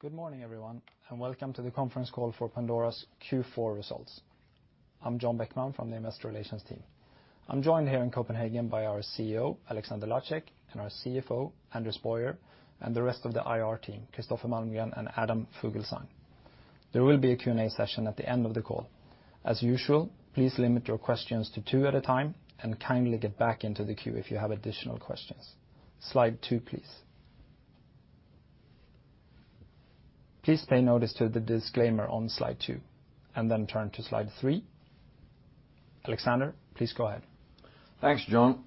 Good morning, everyone, and welcome to the conference call for Pandora's Q4 results. I'm John Bäckman from the Investor Relations team. I'm joined here in Copenhagen by our CEO, Alexander Lacik, and our CFO, Anders Boyer, and the rest of the IR team, Kristoffer Malmgren and Adam Fuglsang. Thanks, John,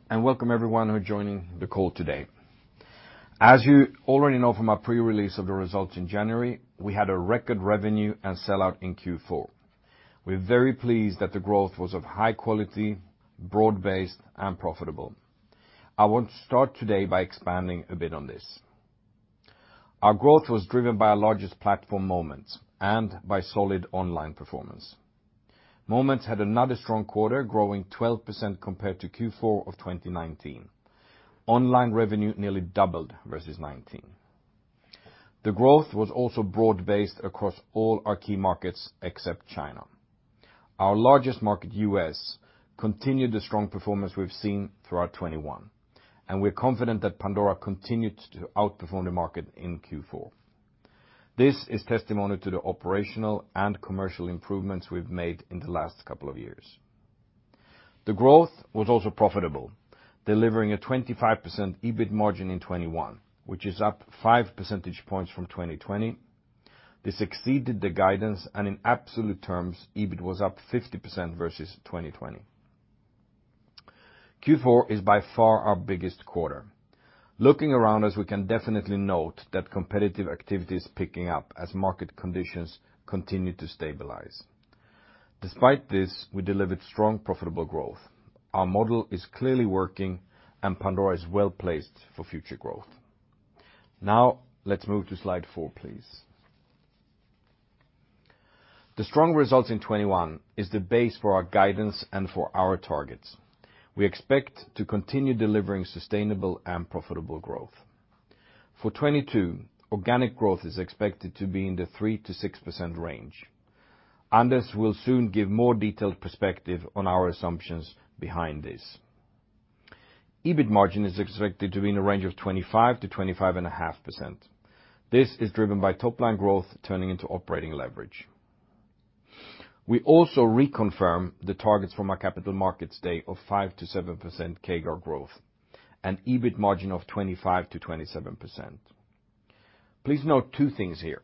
and welcome everyone who are joining the call today. As you already know from our pre-release of the results in January, we had a record revenue and sell-out in Q4. We're very pleased that the growth was of high quality, broad-based, and profitable. I want to start today by expanding a bit on this. Our growth was driven by our largest platform Moments and by solid online performance. Moments had another strong quarter, growing 12% compared to Q4 of 2019. Online revenue nearly doubled versus 2019. The growth was also profitable, delivering a 25% EBIT margin in 2021, which is up 5 percentage points from 2020. This exceeded the guidance, and in absolute terms, EBIT was up 50% versus 2020. Q4 is by far our biggest quarter. Looking around us, we can definitely note that competitive activity is picking up as market conditions continue to stabilize. Despite this, we delivered strong profitable growth. Our model is clearly working and Pandora is well-placed for future growth. EBIT margin is expected to be in a range of 25% to 25.5%. This is driven by top-line growth turning into operating leverage. We also reconfirm the targets from our Capital Markets Day of 5% to 7% CAGR growth and 25% to 27% EBIT margin. Please note two things here.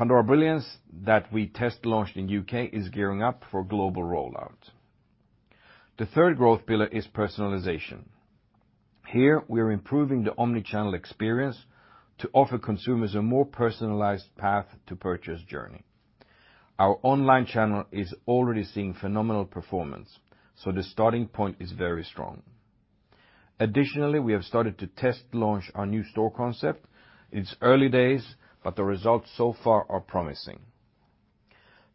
Here, we are improving the omni-channel experience to offer consumers a more personalized path to purchase journey. Our online channel is already seeing phenomenal performance, so the starting point is very strong. Additionally, we have started to test launch our new store concept. It's early days, but the results so far are promising.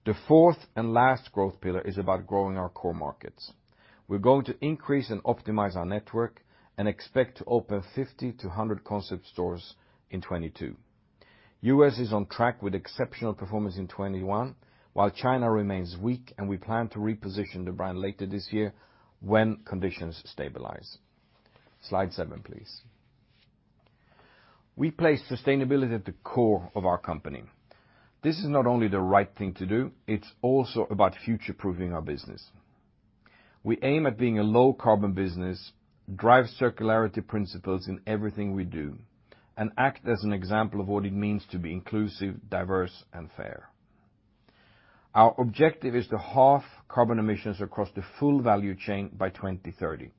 The fourth and last growth pillar is about growing our core markets. We're going to increase and optimize our network and expect to open 50 to 100 concept stores in 2022. We aim at being a low-carbon business, drive circularity principles in everything we do, and act as an example of what it means to be inclusive, diverse, and fair. Our objective is to halve carbon emissions across the full value chain by 2030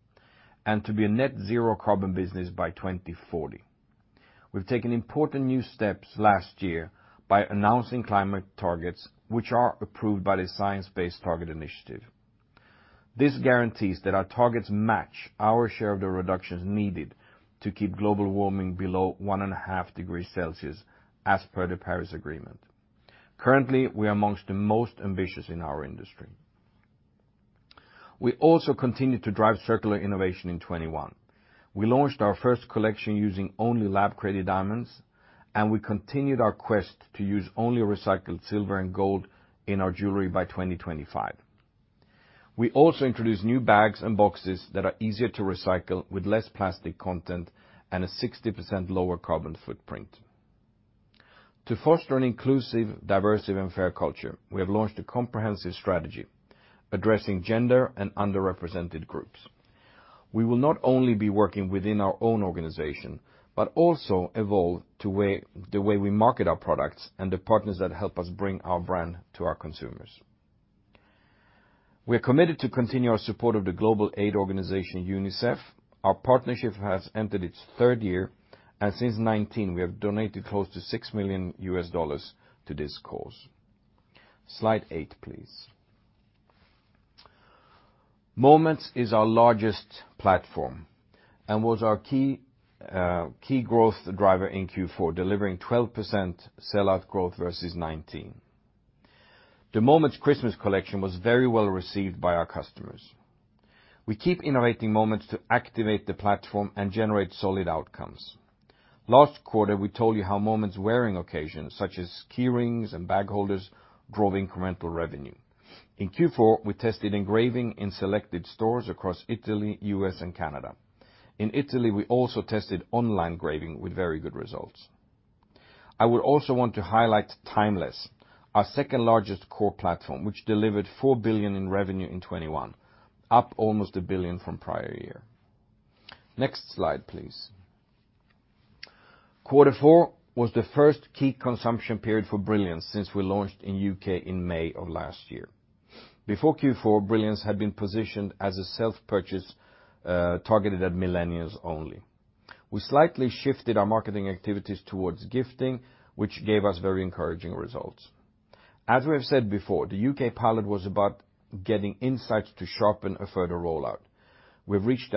and to be a net zero carbon business by 2040. We've taken important new steps last year by announcing climate targets which are approved by the Science Based Targets initiative. We also introduced new bags and boxes that are easier to recycle with less plastic content and a 60% lower carbon footprint. To foster an inclusive, diverse, and fair culture, we have launched a comprehensive strategy addressing gender and underrepresented groups. We will not only be working within our own organization, but also evolve the way we market our products and the partners that help us bring our brand to our consumers. We keep innovating Moments to activate the platform and generate solid outcomes. Last quarter, we told you how Moments wearing occasions, such as key rings and bag holders, drove incremental revenue. In Q4, we tested engraving in selected stores across Italy, U.S., and Canada. In Italy, we also tested online engraving with very good results. I would also want to highlight Timeless, our second-largest core platform, which delivered 4 billion in revenue in 2021, up almost DKK 1 billion from prior year. We've reached a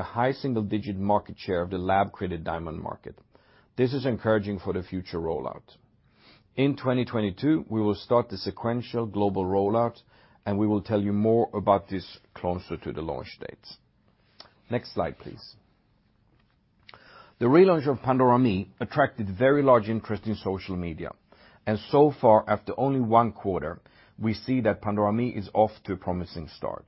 high single-digit market share of the lab-created diamond market. This is encouraging for the future rollout. In 2022, we will start the sequential global rollout, and we will tell you more about this closer to the launch dates. Next slide, please. The relaunch of Pandora ME attracted very large interest in social media, and so far, after only one quarter, we see that Pandora ME is off to a promising start.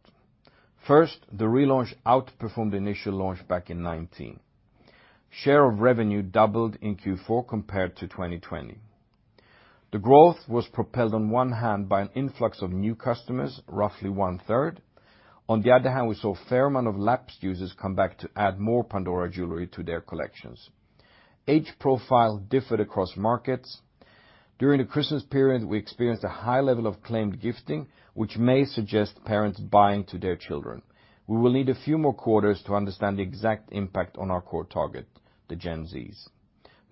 During the Christmas period, we experienced a high level of claimed gifting, which may suggest parents buying to their children. We will need a few more quarters to understand the exact impact on our core target, the Gen Z.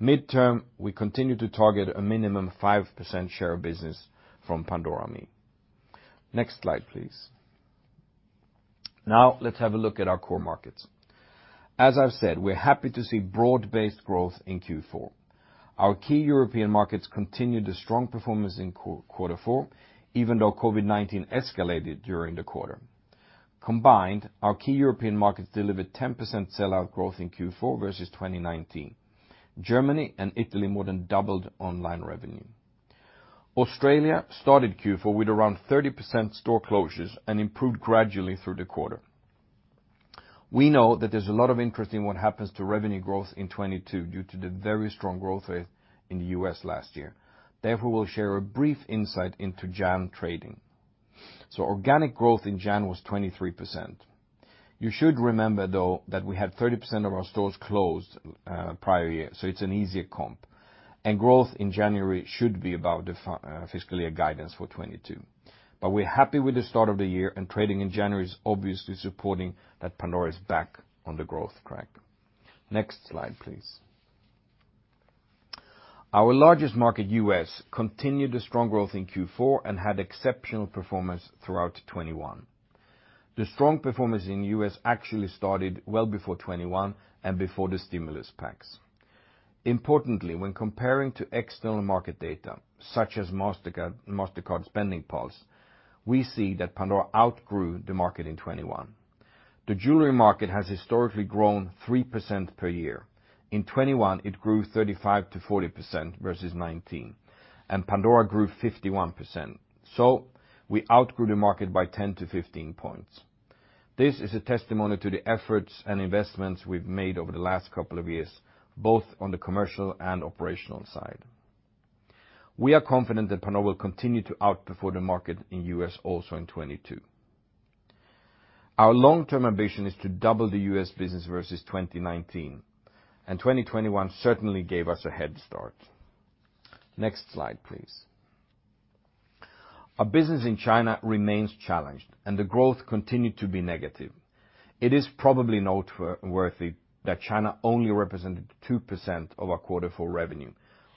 Midterm, we continue to target a minimum 5% share of business from Pandora ME. Next slide, please. Now let's have a look at our core markets. We know that there's a lot of interest in what happens to revenue growth in 2022 due to the very strong growth rate in the U.S. last year. Therefore, we'll share a brief insight into January trading. Organic growth in January was 23%. You should remember, though, that we had 30% of our stores closed, prior year, so it's an easier comp. Importantly, when comparing to external market data, such as Mastercard SpendingPulse, we see that Pandora outgrew the market in 2021. The jewelry market has historically grown 3% per year. In 2021, it grew 35% to 40% versus 2019, and Pandora grew 51%, so we outgrew the market by 10 to 15 points. It is probably noteworthy that China only represented 2% of our Q4 revenue,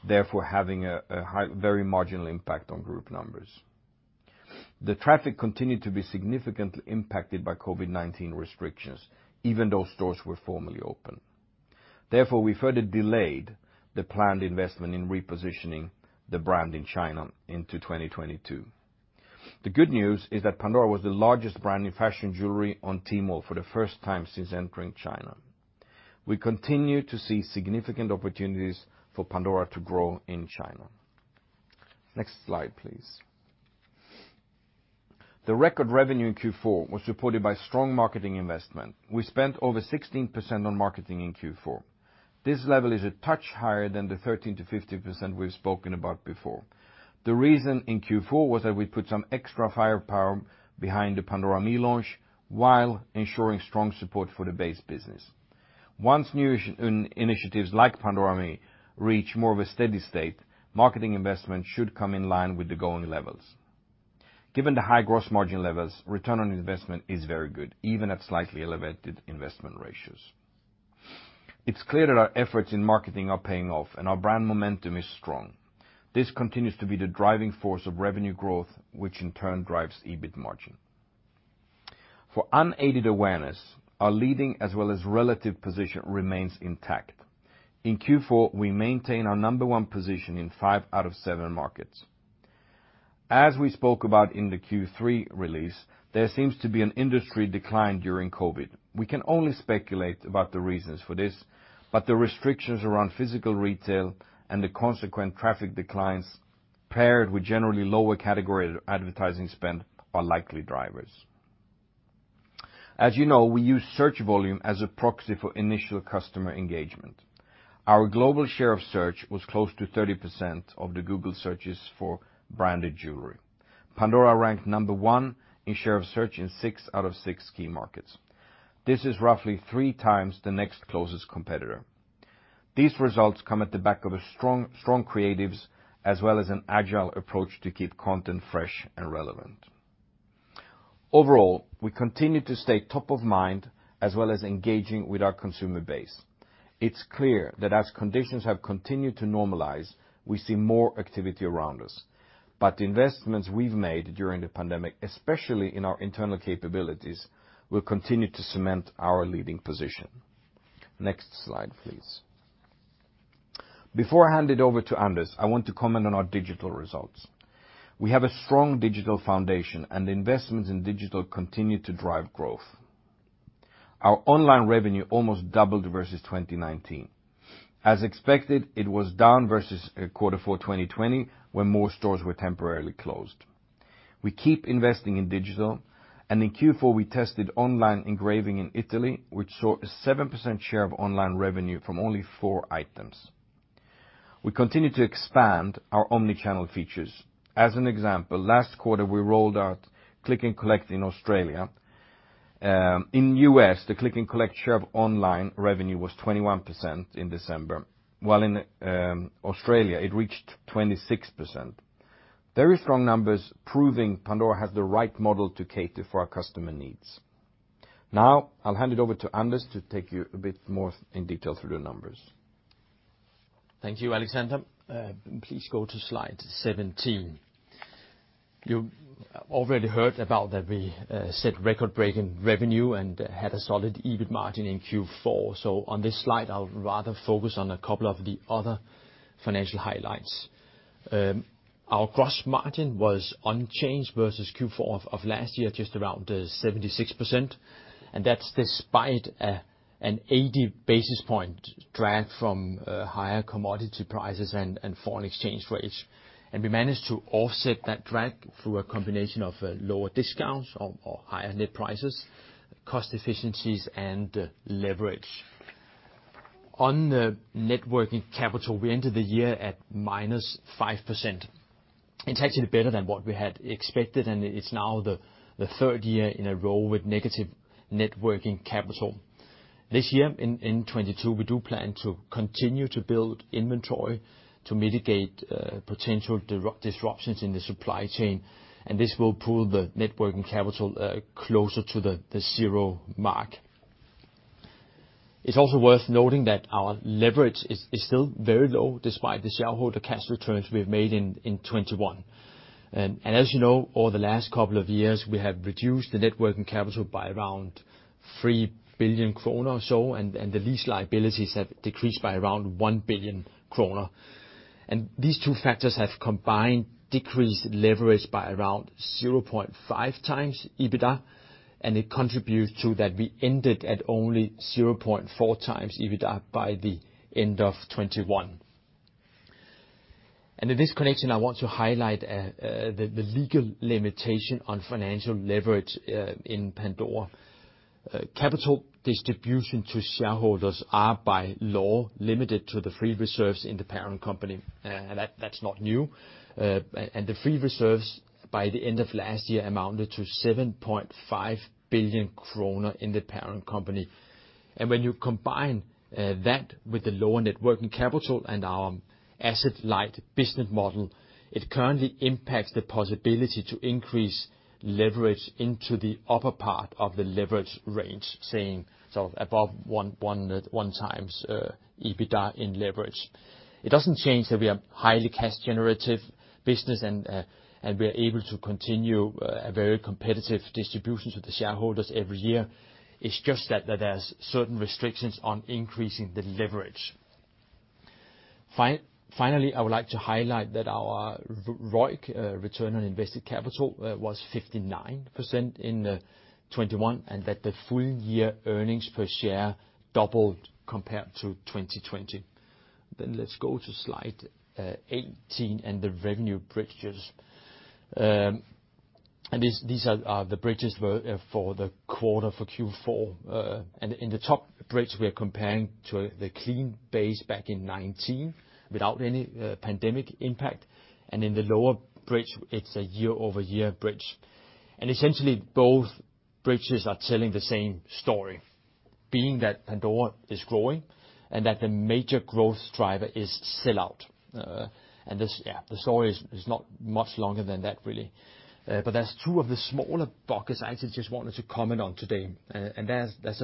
therefore having a very marginal impact on group numbers. The traffic continued to be significantly impacted by COVID-19 restrictions, even though stores were formally open. Therefore, we further delayed the planned investment in repositioning the brand in China into 2022. The reason in Q4 was that we put some extra firepower behind the Pandora ME launch while ensuring strong support for the base business. Once new initiatives like Pandora ME reach more of a steady state, marketing investment should come in line with the going levels. Given the high gross margin levels, return on investment is very good, even at slightly elevated investment ratios. We can only speculate about the reasons for this, but the restrictions around physical retail and the consequent traffic declines paired with generally lower category advertising spend are likely drivers. As you know, we use search volume as a proxy for initial customer engagement. Our global share of search was close to 30% of the Google searches for branded jewelry. The investments we've made during the pandemic, especially in our internal capabilities, will continue to cement our leading position. Next slide, please. Before I hand it over to Anders, I want to comment on our digital results. We have a strong digital foundation, and investments in digital continue to drive growth. Our online revenue almost doubled versus 2019. Very strong numbers proving Pandora has the right model to cater for our customer needs. Now I'll hand it over to Anders to take you a bit more in detail through the numbers. Thank you, Alexander. Please go to slide 17. You already heard about that we set record-breaking revenue and had a solid EBIT margin in Q4. On this slide, I'll rather focus on a couple of the other financial highlights. Our gross margin was unchanged versus Q4 of last year, just around 76%. This year in 2022, we do plan to continue to build inventory to mitigate potential disruptions in the supply chain, and this will pull the net working capital closer to the zero mark. It's also worth noting that our leverage is still very low despite the shareholder cash returns we've made in 2021. Capital distribution to shareholders are by law limited to the free reserves in the parent company. That's not new. The free reserves by the end of last year amounted to 7.5 billion kroner in the parent company. When you combine that with the lower net working capital and our asset-light business model, it currently impacts the possibility to increase leverage into the upper part of the leverage range, saying sort of above 1.1 times EBITDA in leverage. Finally, I would like to highlight that our ROIC, return on invested capital, was 59% in 2021, and that the full year earnings per share doubled compared to 2020. Let's go to slide 18 and the revenue bridges. These are the bridges for the quarter for Q4. In the top bridge we are comparing to the clean base back in 2019 without any pandemic impact, and in the lower bridge it's a year-over-year bridge. There's a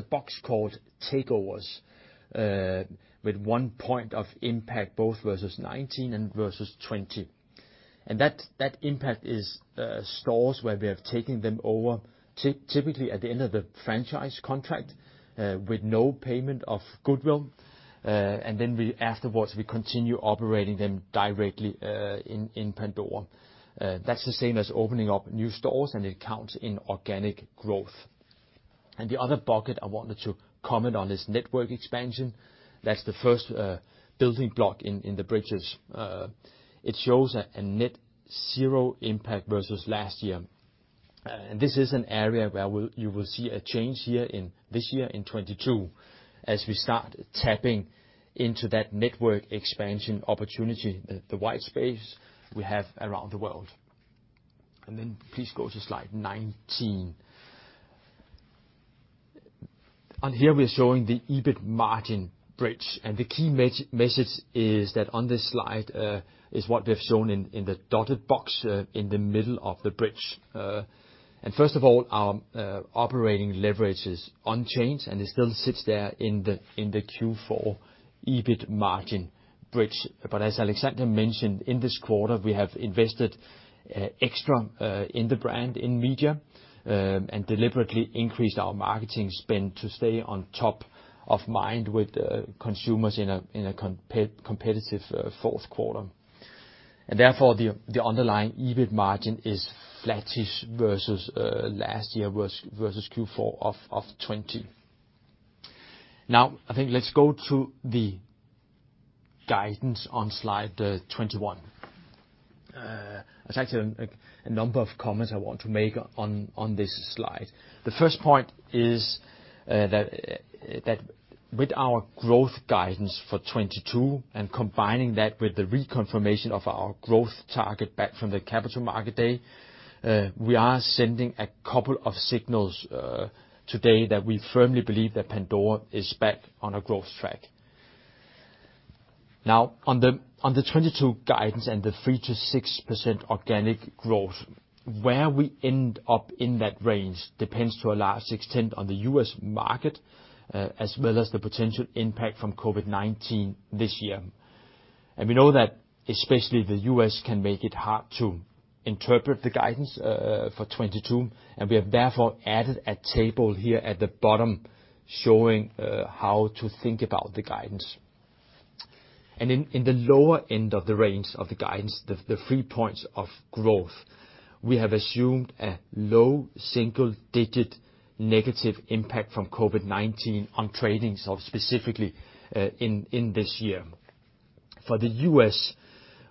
box called takeovers, with 1 point of impact both versus 2019 and versus 2020. That impact is stores where we have taken them over typically at the end of the franchise contract, with no payment of goodwill. Then afterwards we continue operating them directly in Pandora. That's the same as opening up new stores, and it counts in organic growth. On here we are showing the EBIT margin bridge, and the key message is that on this slide is what we have shown in the dotted box in the middle of the bridge. First of all, our operating leverage is unchanged, and it still sits there in the Q4 EBIT margin bridge. There's actually a number of comments I want to make on this slide. The first point is that with our growth guidance for 2022, and combining that with the reconfirmation of our growth target back from the Capital Markets Day, we are sending a couple of signals today that we firmly believe that Pandora is back on a growth track. In the lower end of the range of the guidance, the 3 points of growth, we have assumed a low single digit negative impact from COVID-19 on trading, so specifically in this year. For the U.S.,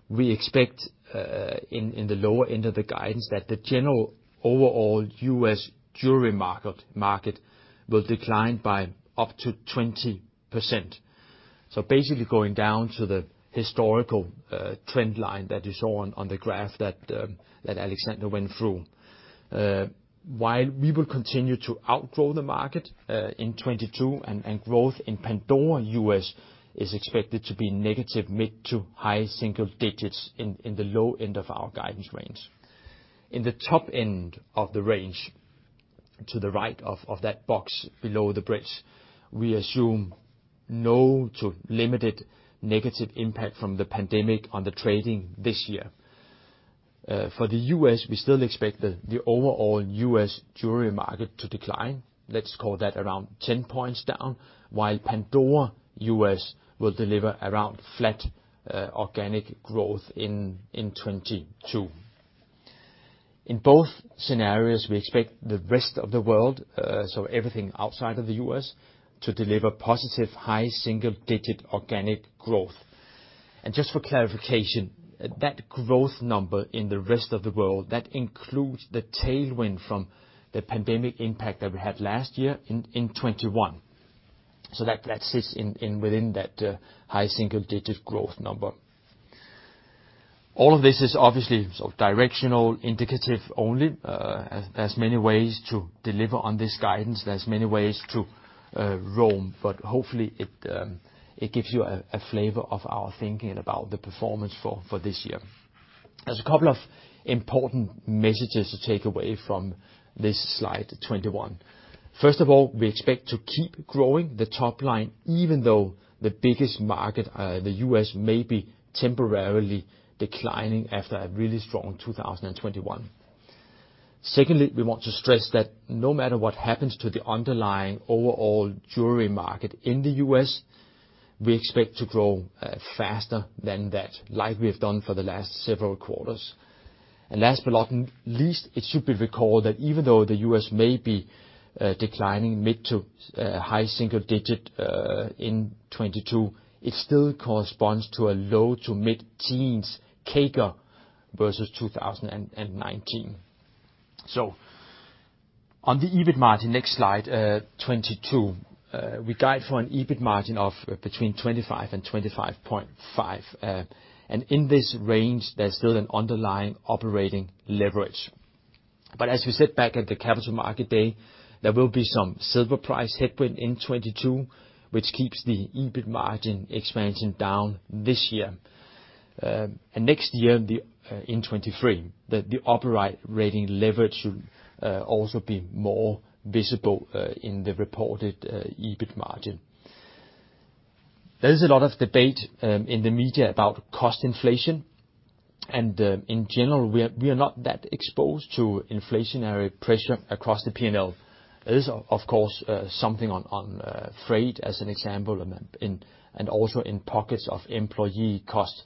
we expect in the lower end of the guidance that the general overall U.S. jewelry market will decline by up to 20%. In the top end of the range, to the right of that box below the bridge, we assume no to limited negative impact from the pandemic on the trading this year. For the U.S., we still expect the overall U.S. jewelry market to decline. Let's call that around 10 points down, while Pandora U.S. will deliver around flat organic growth in 2022. That sits within that high single digit growth number. All of this is obviously sort of directional, indicative only. There's many ways to deliver on this guidance. There's many ways to Rome, but hopefully it gives you a flavor of our thinking about the performance for this year. We have done for the last several quarters. Last but not least, it should be recalled that even though the U.S. may be declining mid- to high-single-digit% in 2022, it still corresponds to a low- to mid-teens% CAGR versus 2019. On the EBIT margin, next slide, 2022. There is a lot of debate in the media about cost inflation, and in general, we are not that exposed to inflationary pressure across the P&L. There is of course something on freight as an example, and also in pockets of employee costs.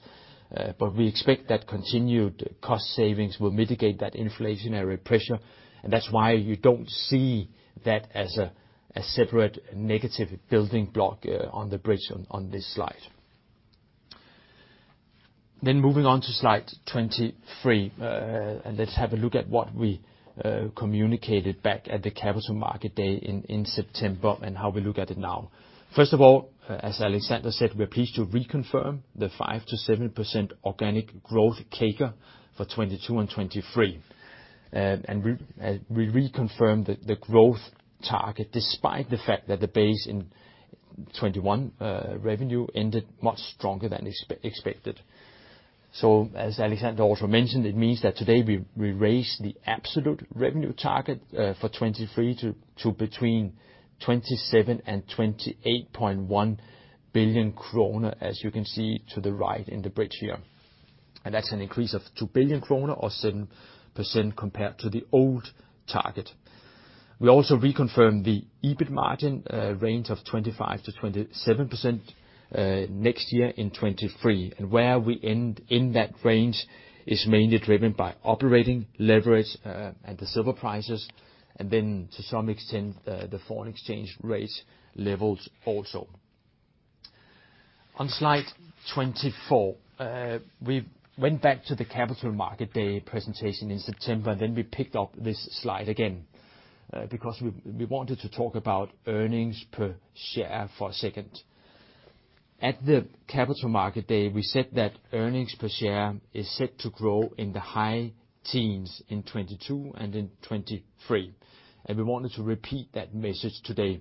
We expect that continued cost savings will mitigate that inflationary pressure, and that's why you don't see that as a separate negative building block on the bridge on this slide. We reconfirm the growth target despite the fact that the base in 2021 revenue ended much stronger than expected. As Alexander also mentioned, it means that today we raised the absolute revenue target for 2023 to between 27 billion and 28.1 billion kroner, as you can see to the right in the bridge here. On slide 24, we went back to the Capital Markets Day presentation in September, then we picked up this slide again, because we wanted to talk about earnings per share for a second. At the Capital Markets Day, we said that earnings per share is set to grow in the high teens% in 2022 and in 2023, and we wanted to repeat that message today.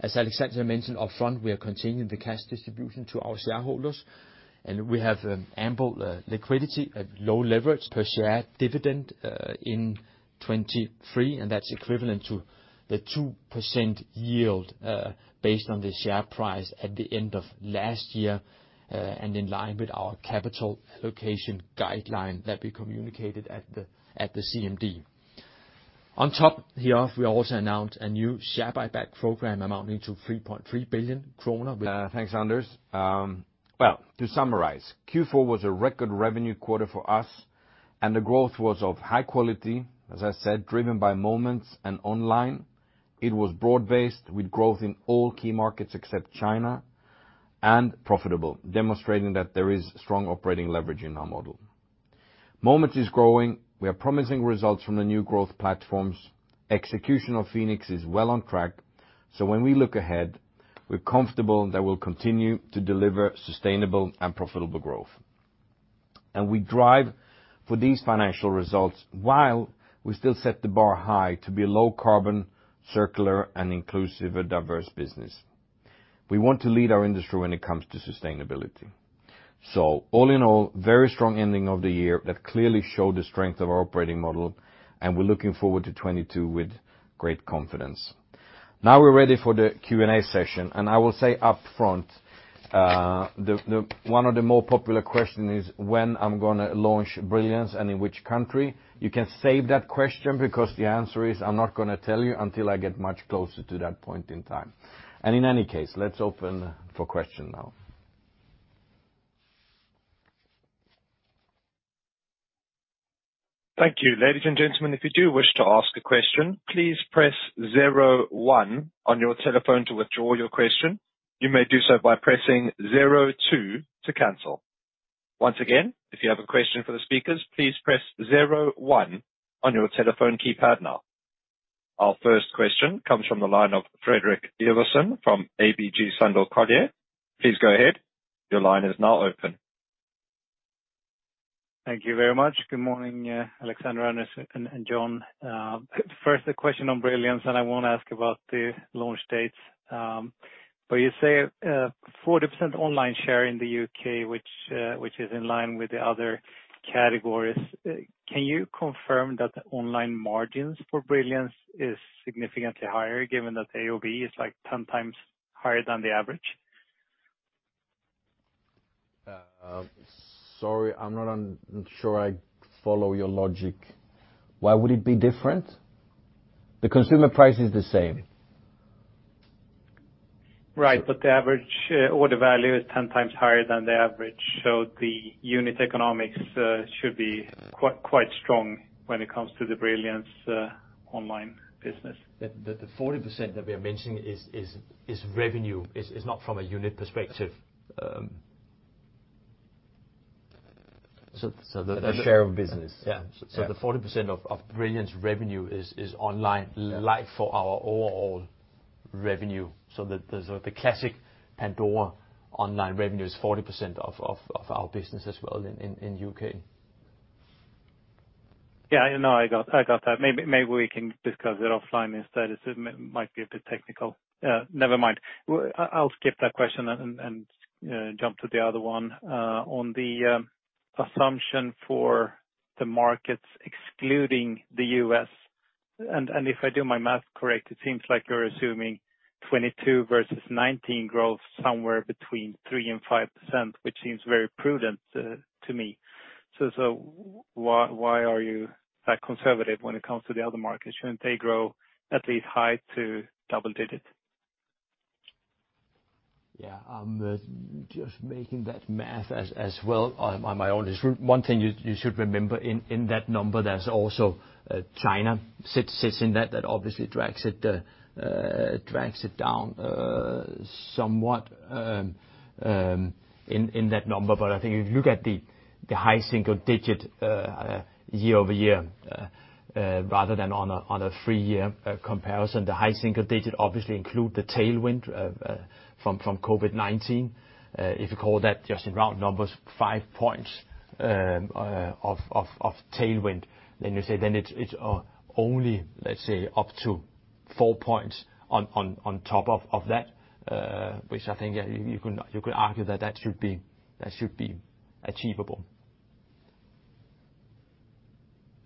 As Alexander mentioned upfront, we are continuing the cash distribution to our shareholders, and we have ample liquidity at low leverage per share dividend in 2023, and that's equivalent to the 2% yield based on the share price at the end of last year, and in line with our capital allocation guideline that we communicated at the CMD. On top here, we also announced a new share buyback program amounting to 3.3 billion kroner with— Thanks, Anders. Well, to summarize, Q4 was a record revenue quarter for us, and the growth was of high quality, as I said, driven by Moments and online. It was broad-based with growth in all key markets except China, and profitable, demonstrating that there is strong operating leverage in our model. All in all, very strong ending of the year that clearly showed the strength of our operating model, and we're looking forward to 2022 with great confidence. Now we're ready for the Q&A session, and I will say up front, the one of the more popular question is when I'm gonna launch Brilliance and in which country. Our first question comes from the line of Frederik Iversen from ABG Sundal Collier. Please go ahead. Your line is now open. Thank you very much. Good morning, Alexander and John. First the question on Brilliance, and I won't ask about the launch dates. You say 40% online share in the U.K. which is in line with the other categories. Can you confirm that the online margins for Brilliance is significantly higher given that AOV is, like, 10 times higher than the average? Sorry, I'm not sure I follow your logic. Why would it be different? The consumer price is the same. Right, the average order value is ten times higher than the average, so the unit economics should be quite strong when it comes to the Brilliance online business. The 40% that we are mentioning is revenue. It's not from a unit perspective. The share of business? Yeah. The 40% of Brilliance revenue is online, like for our overall revenue. The sort of classic Pandora online revenue is 40% of our business as well in U.K. Yeah, no, I got that. Maybe we can discuss it offline instead, as it might be a bit technical. Never mind. I'll skip that question and, you know, jump to the other one. On the assumption for the markets excluding the U.S., if I do my math correct, it seems like you're assuming 22 versus 19 growth somewhere between 3% to 5%, which seems very prudent to me. Yeah. I'm just making that math as well on my own. One thing you should remember in that number there's also China. Sits in that. That obviously drags it down somewhat in that number. I think if you look at the high single digit year over year rather than on a three-year comparison, the high single digit obviously include the tailwind from COVID-19. If you call that just in round numbers, 5 points of tailwind, then you say then it's only, let's say, up to 4 points on top of that, which I think you could argue that that should be achievable.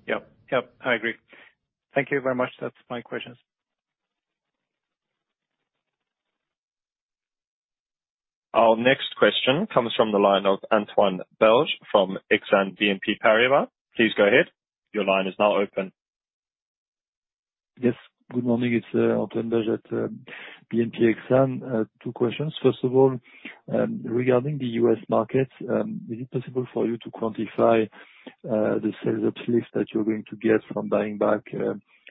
Yep. Yep. I agree. Thank you very much. That's my questions. Our next question comes from the line of Anne-Laure Bismuth from Exane BNP Paribas. Please go ahead. Your line is now open. Yes. Good morning. It's Antoine Belge at Exane BNP Paribas. Two questions. First of all, regarding the U.S. markets, is it possible for you to quantify the sales uplift that you're going to get from buying back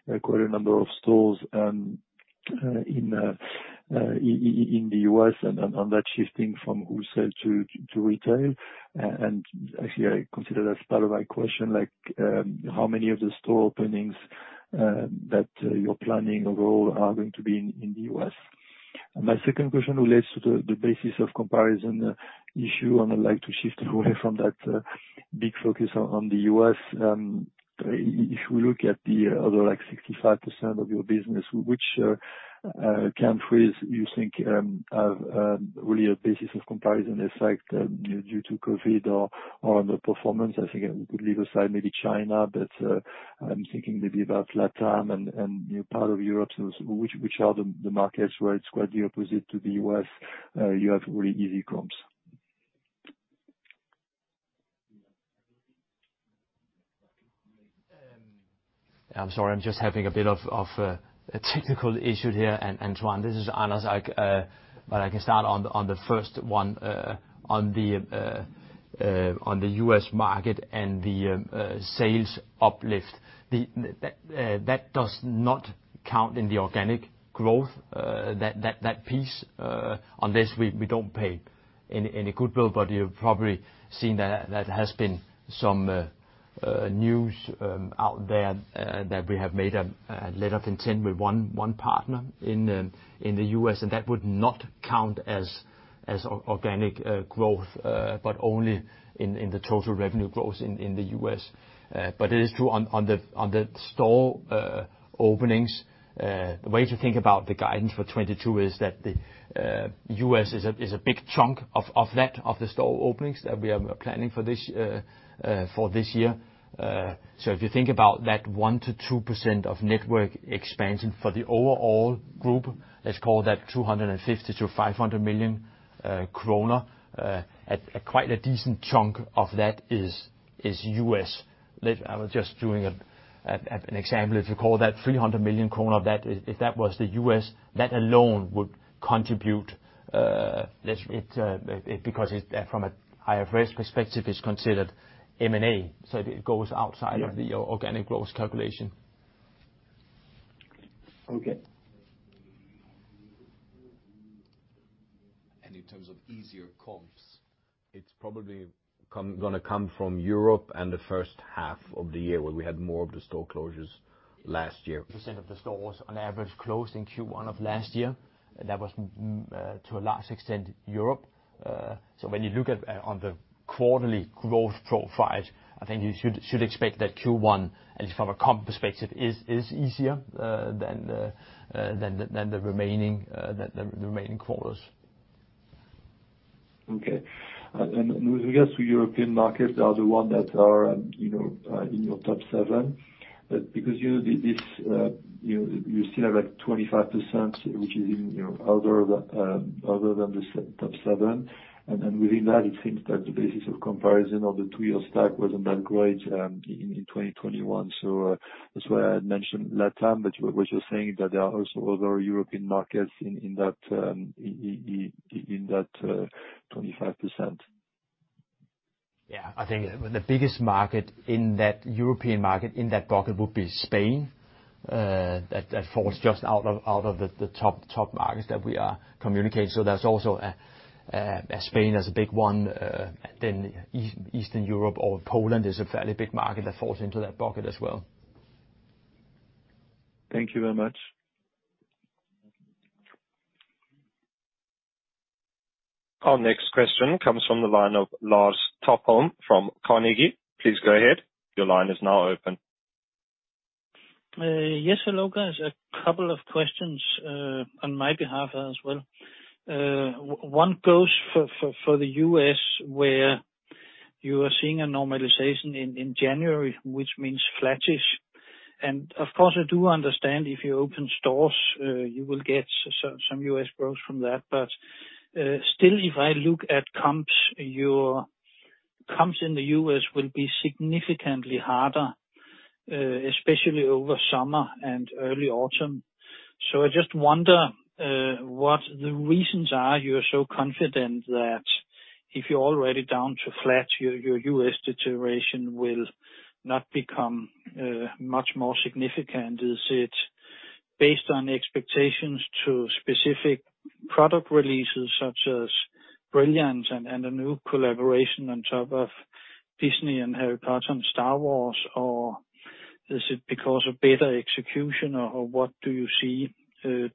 a greater number of stores in the U.S. and that shifting from wholesale to retail? If we look at the other, like, 65% of your business, which countries you think have really a basis of comparison effect, you know, due to COVID or underperformance? I think we could leave aside maybe China, but I'm thinking maybe about LatAm and you know, part of Europe. Which are the markets where it's quite the opposite to the U.S., you have really easy comps? I'm sorry, I'm just having a bit of a technical issue here. Antoine, this is Anders. I can start on the first one, on the U.S. market and the sales uplift. That does not count in the organic growth, that piece, unless we don't pay any goodwill. You've probably seen that there has been some news out there that we have made a letter of intent with one partner in the U.S., and that would not count as organic growth, but only in the total revenue growth in the U.S. It is true on the store openings. The way to think about the guidance for 2022 is that the U.S. is a big chunk of that of the store openings that we are planning for this year. If you think about that 1% to 2% of network expansion for the overall group, let's call that 250 million to 500 million kroner, and quite a decent chunk of that is U.S. Okay. In terms of easier comps. It's probably gonna come from Europe and the first half of the year, where we had more of the store closures last year. Percent of the stores on average closed in Q1 of last year. That was to a large extent Europe. When you look at on the quarterly growth profile, I think you should expect that Q1, at least from a comp perspective, is easier than the remaining quarters. Okay. With regards to European markets, they are the one that are, you know, in your top seven. Because you still have, like, 25% which is in, you know, other than the top seven. Within that it seems that the basis of comparison of the two-year stack wasn't that great in 2021. That's why I mentioned LATAM, but was just saying that there are also other European markets in that 25%. Yeah. I think the biggest market in that European market in that bucket would be Spain. That falls just out of the top markets that we are communicating. There's also Spain as a big one. Then Eastern Europe or Poland is a fairly big market that falls into that bucket as well. Thank you very much. Our next question comes from the line of Lars Topholm from Carnegie. Please go ahead. Your line is now open. Yes, hello, guys. A couple of questions on my behalf as well. One goes for the U.S. where you are seeing a normalization in January, which means flattish. Of course I do understand if you open stores, you will get some U.S. growth from that. Still if I look at comps, your comps in the U.S. will be significantly harder, especially over summer and early autumn. Is it based on expectations to specific product releases such as Brilliance and a new collaboration on top of Disney and Harry Potter and Star Wars, or is it because of better execution, or what do you see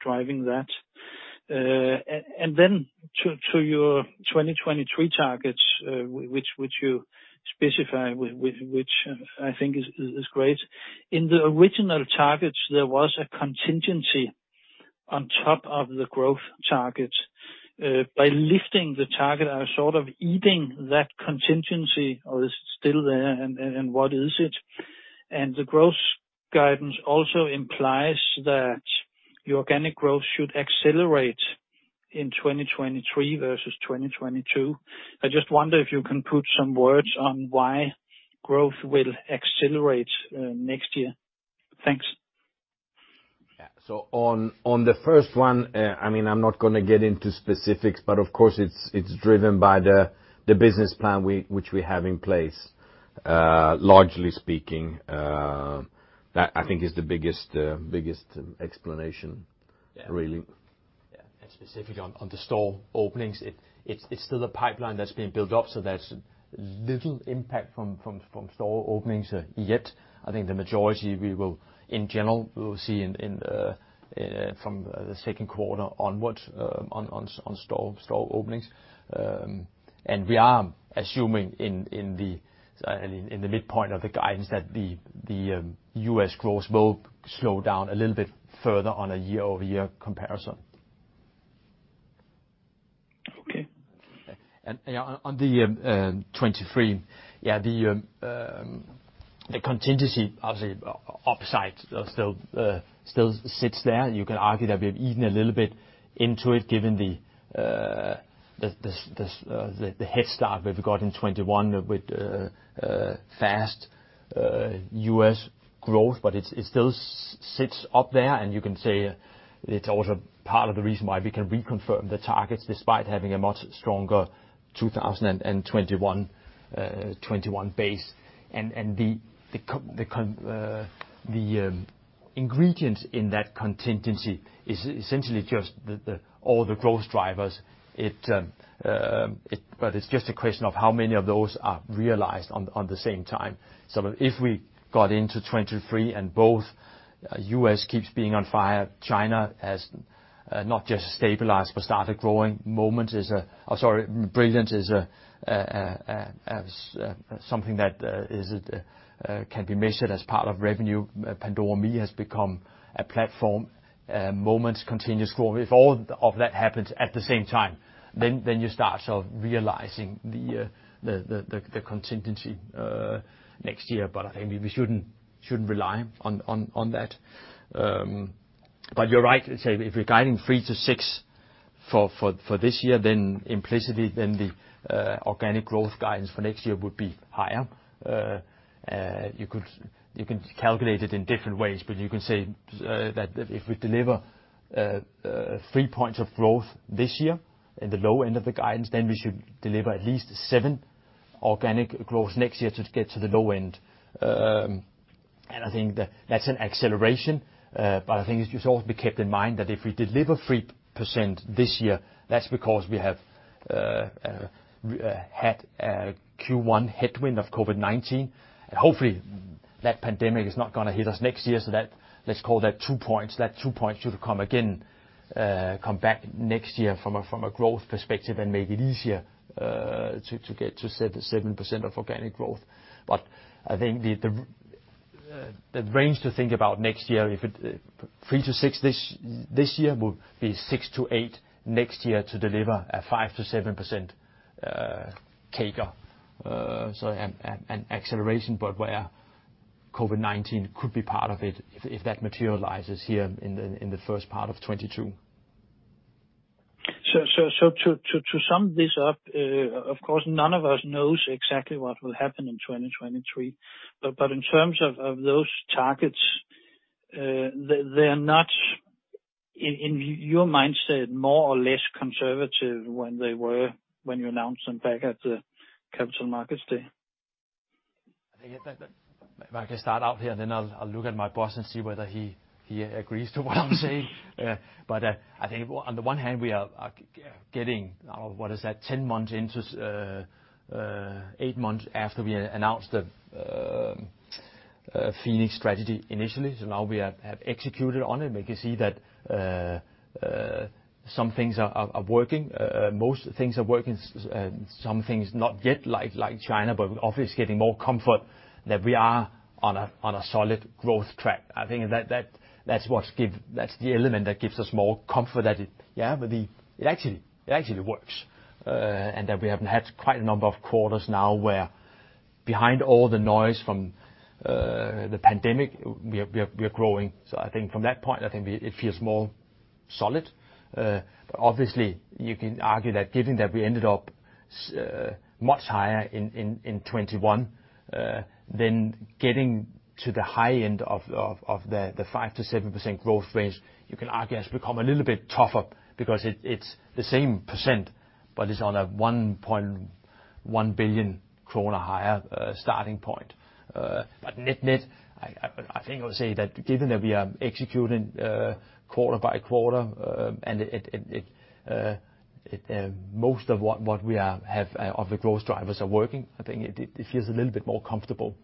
driving that? And then to your 2023 targets, which you specify, which I think is great. In the original targets, there was a contingency on top of the growth targets. On the first one, I mean, I'm not gonna get into specifics, but of course it's driven by the business plan, which we have in place. Largely speaking, that I think is the biggest explanation- Really. Yeah. Specifically on the store openings, it's still a pipeline that's being built up, so there's little impact from store openings yet. I think the majority we will see in general from the second quarter onwards on store openings. We are assuming in the midpoint of the guidance that the U.S. growth will slow down a little bit further on a year-over-year comparison. Okay. On the 2023 contingency obviously upside still sits there. You can argue that we've eaten a little bit into it given the headstart we've got in 2021 with fast U.S. growth. It still sits up there, and you can say it's also part of the reason why we can reconfirm the targets despite having a much stronger 2021 base. If we got into 2023 and both U.S. keeps being on fire, China has not just stabilized but started growing. Pandora Brilliance is something that can be measured as part of revenue. Pandora ME has become a platform. Pandora Moments continues growing. If all of that happens at the same time, then you start sort of realizing the contingency next year. I think we shouldn't rely on that. You can calculate it in different ways, but you can say that if we deliver 3 points of growth this year in the low end of the guidance, then we should deliver at least 7% organic growth next year to get to the low end. I think that's an acceleration. I think it should also be kept in mind that if we deliver 3% this year, that's because we have had a Q1 headwind of COVID-19. I think the range to think about next year, if it's 3%-6% this year, will be 6%-8% next year to deliver a 5%-7% CAGR. So an acceleration, but where COVID-19 could be part of it if that materializes here in the first part of 2022. To sum this up, of course, none of us knows exactly what will happen in 2023. In terms of those targets, they're not in your mindset more or less conservative when they were when you announced them back at the Capital Markets Day? I think. If I can start out here, and then I'll look at my boss and see whether he agrees to what I'm saying. I think on the one hand, we are now getting, what is that? 10 months into 8 months after we announced the Phoenix strategy initially. Now we have executed on it, and we can see that some things are working. I think from that point, I think it feels more solid. Obviously you can argue that given that we ended up much higher in 2021 than getting to the high end of the 5% to 7% growth range, you can argue has become a little bit tougher because it's the same percent, but it's on a 1.1 billion kroner higher starting point. Net-net, I think I'll say that given that we are executing quarter by quarter, most of what we have of the growth drivers are working, I think it feels a little bit more comfortable.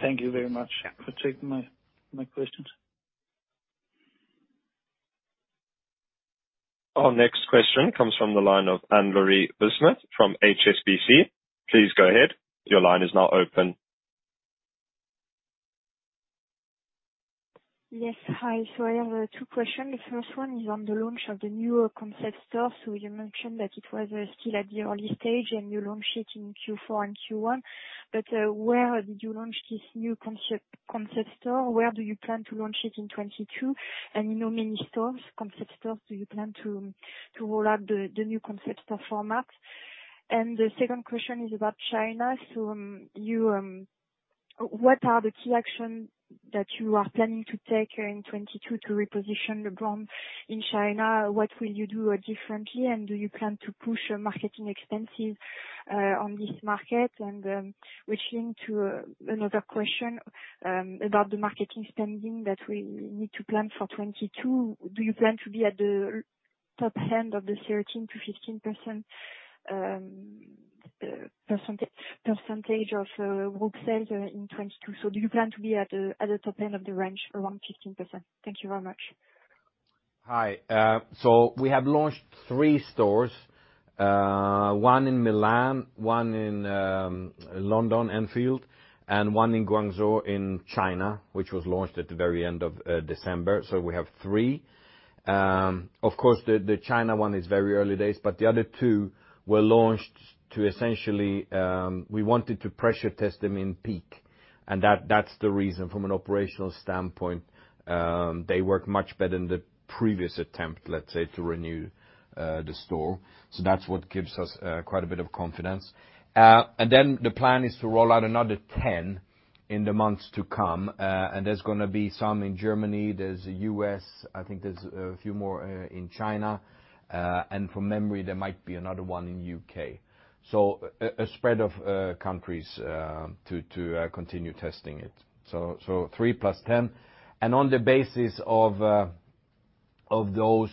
Thank you very much for taking my questions. Our next question comes from the line of Anne-Laure Bismuth from Exane BNP Paribas. Please go ahead. Your line is now open. Yes. Hi. I have two questions. The first one is on the launch of the newer concept store. You mentioned that it was still at the early stage and you launched it in Q4 and Q1. Where did you launch this new concept store? Where do you plan to launch it in 2022? How many concept stores do you plan to roll out the new concept store format? Do you plan to be at the top end of the 13% to 15% percentage of group sales in 2022? Do you plan to be at the top end of the range around 15%? Thank you very much. Hi. We have launched three stores. One in Milan, one in London, Enfield, and one in Guangzhou in China, which was launched at the very end of December. We have three. Of course, the China one is very early days, but the other two were launched to essentially, we wanted to pressure test them in peak. A spread of countries to continue testing it. 3 + 10. On the basis of those,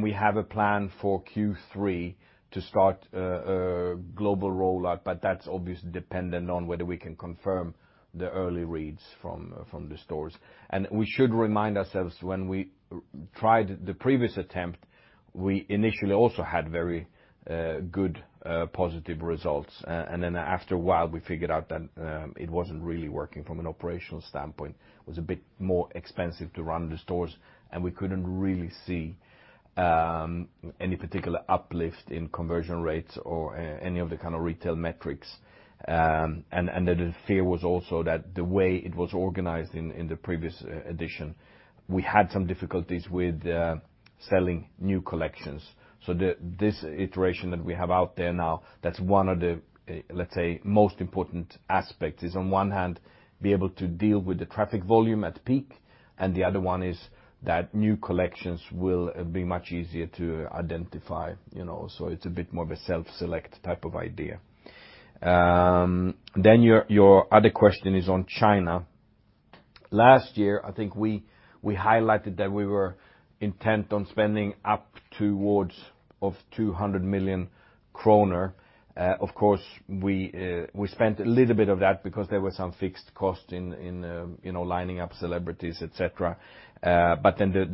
we have a plan for Q3 to start a global rollout, but that's obviously dependent on whether we can confirm the early reads from the stores. We should remind ourselves when we retried the previous attempt, we initially also had very good positive results. The fear was also that the way it was organized in the previous edition, we had some difficulties with selling new collections. This iteration that we have out there now, that's one of the, let's say, most important aspects, is on one hand, be able to deal with the traffic volume at peak, and the other one is that new collections will be much easier to identify, you know. The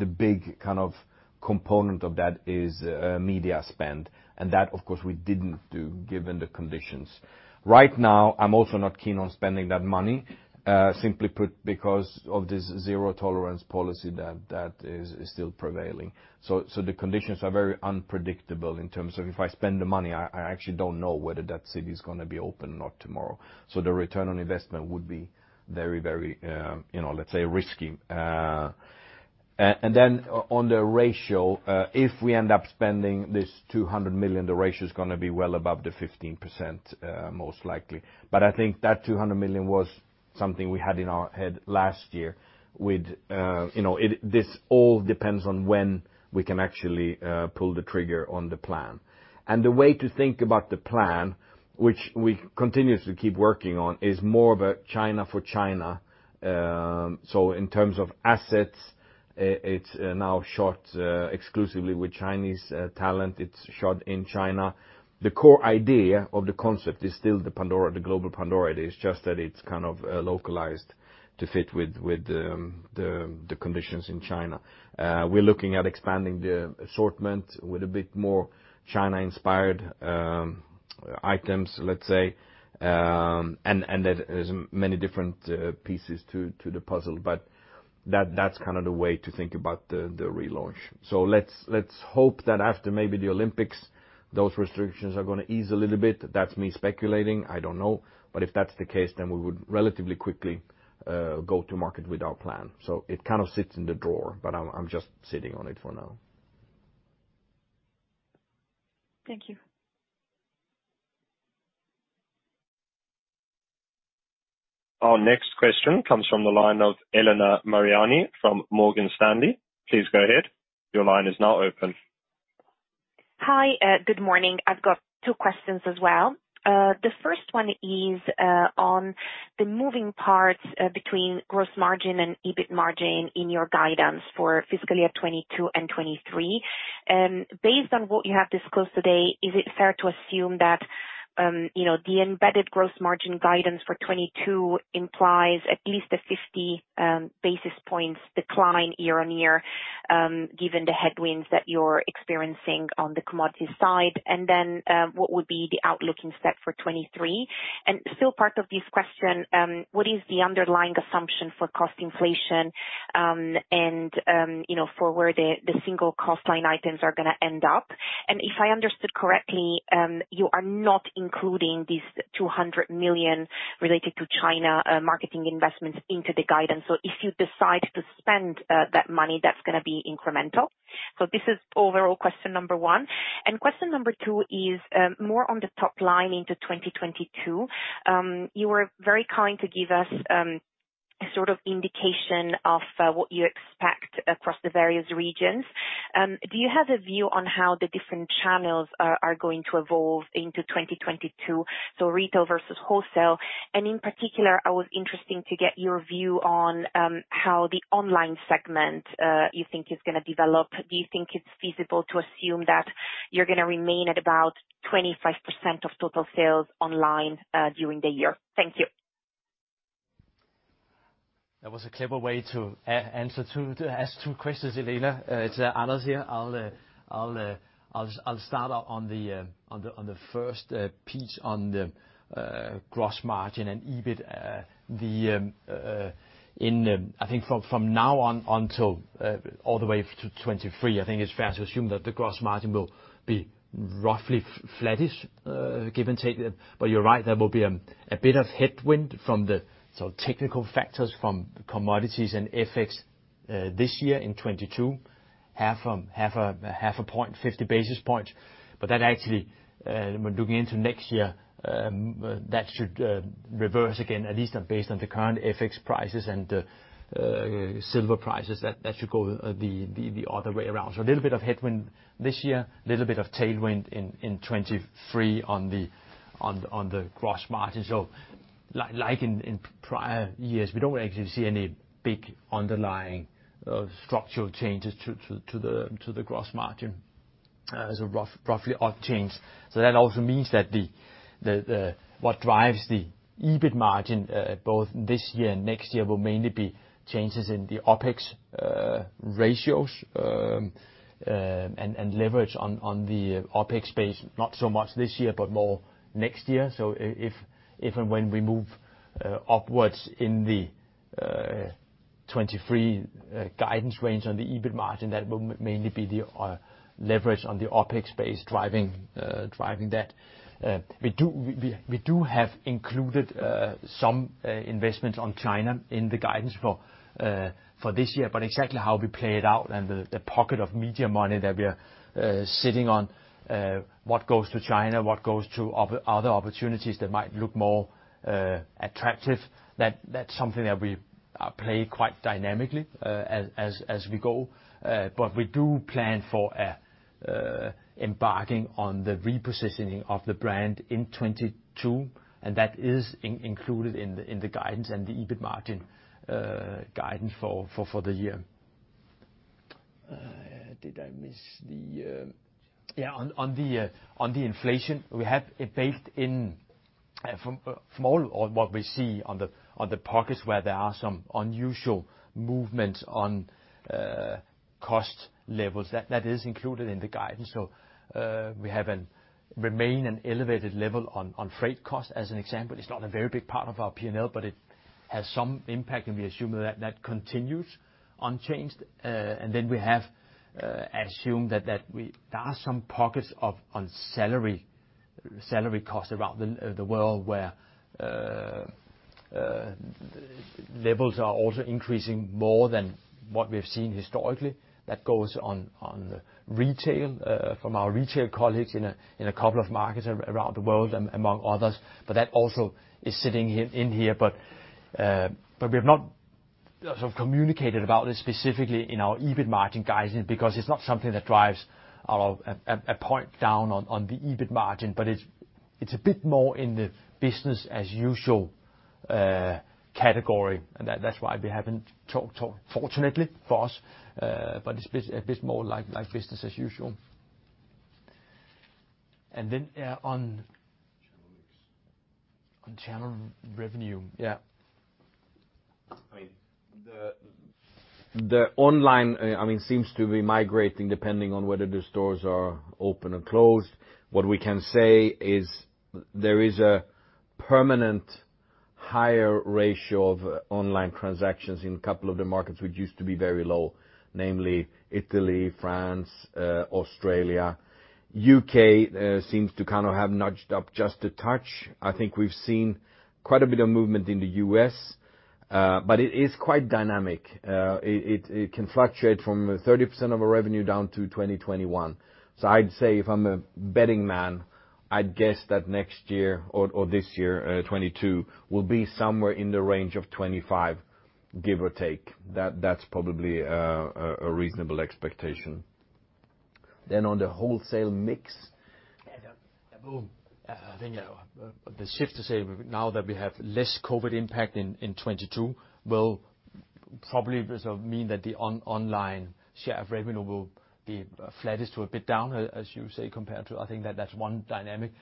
big kind of component of that is media spend, and that, of course, we didn't do given the conditions. Right now, I'm also not keen on spending that money, simply put, because of this zero tolerance policy that is still prevailing. The conditions are very unpredictable in terms of if I spend the money, I actually don't know whether that city is gonna be open or not tomorrow. This all depends on when we can actually pull the trigger on the plan. The way to think about the plan, which we continue to keep working on, is more of a China for China. In terms of assets, it's now shot exclusively with Chinese talent. It's shot in China. The core idea of the concept is still the Pandora, the global Pandora. I don't know. If that's the case, then we would relatively quickly go to market with our plan. It kind of sits in the drawer, but I'm just sitting on it for now. Thank you. Our next question comes from the line of Elena Mariani from Morgan Stanley. Please go ahead. Your line is now open. Hi, good morning. I've got two questions as well. The first one is on the moving parts between gross margin and EBIT margin in your guidance for fiscal year 2022 and 2023. Based on what you have disclosed today, is it fair to assume that you know, the embedded gross margin guidance for 2022 implies at least a 50 basis points decline year on year, given the headwinds that you're experiencing on the commodity side? If you decide to spend that money, that's gonna be incremental. This is overall question number one. Question number two is more on the top line into 2022. You were very kind to give us a sort of indication of what you expect across the various regions. That was a clever way to ask two questions, Elena. It's Anders here. I'll start out on the first piece on the gross margin and EBIT. I think from now on until all the way to 2023, it's fair to assume that the gross margin will be roughly flattish, give and take. A little bit of headwind this year, a little bit of tailwind in 2023 on the gross margin. Like in prior years, we don't actually see any big underlying structural changes to the gross margin as a roughly odd change. That also means that what drives the EBIT margin both this year and next year will mainly be changes in the OpEx ratios and leverage on the OpEx base, not so much this year, but more next year. We do have included some investments in China in the guidance for this year. Exactly how we play it out and the pocket of media money that we are sitting on, what goes to China, what goes to other opportunities that might look more attractive, that's something that we play quite dynamically as we go. That is included in the guidance. We remain at an elevated level on freight costs as an example. It's not a very big part of our P&L, but it has some impact, and we assume that continues unchanged. We have assumed that there are some pockets of salary costs around the world where levels are also increasing more than what we have seen historically. But it's a bit more in the business-as-usual category, and that's why we haven't talked, fortunately for us, but it's a bit more like business as usual. Then, yeah, on— Channel mix. On channel revenue, yeah. I mean, the online seems to be migrating depending on whether the stores are open or closed. What we can say is there is a permanent higher ratio of online transactions in a couple of the markets which used to be very low, namely Italy, France, Australia. U.K. seems to kind of have nudged up just a touch. Yeah, then the shift to say now that we have less COVID impact in 2022 will probably result mean that the online share of revenue will be flattish to a bit down, as you say, compared to. I think that's one dynamic.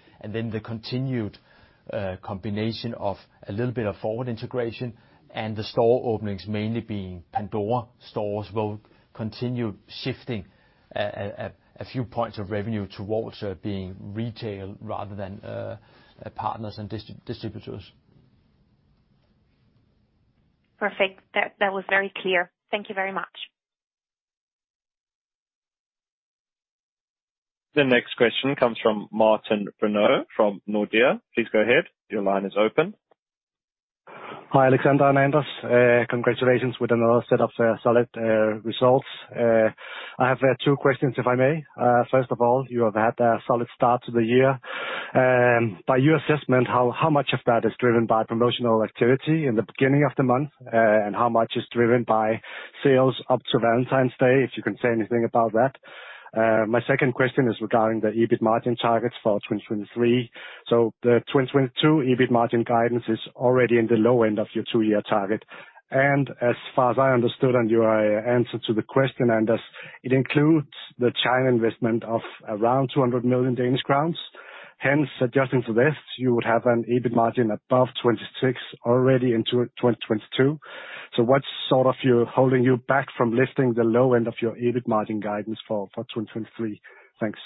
Perfect. That was very clear. Thank you very much. The next question comes from Martin Brenøe from Nordea. Please go ahead. Your line is open. Hi, Alexander and Anders. Congratulations with another set of solid results. I have 2 questions, if I may. First of all, you have had a solid start to the year. By your assessment, how much of that is driven by promotional activity in the beginning of the month, and how much is driven by sales up to Valentine's Day, if you can say anything about that? Hence, adjusting for this, you would have an EBIT margin above 26% already in 2022. What's sort of holding you back from lifting the low end of your EBIT margin guidance for 2023? Thanks.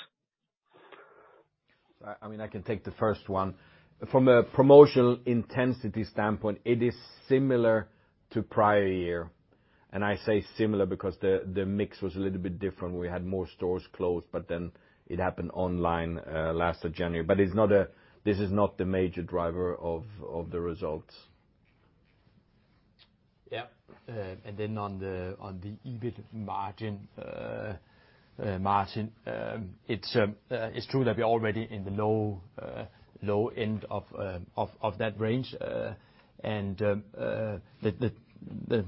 I mean, I can take the first one. From a promotional intensity standpoint, it is similar to prior year. I say similar because the mix was a little bit different. We had more stores closed, but then it happened online, end of January. This is not the major driver of the results. Yeah. On the EBIT margin, it's true that we're already in the low end of that range.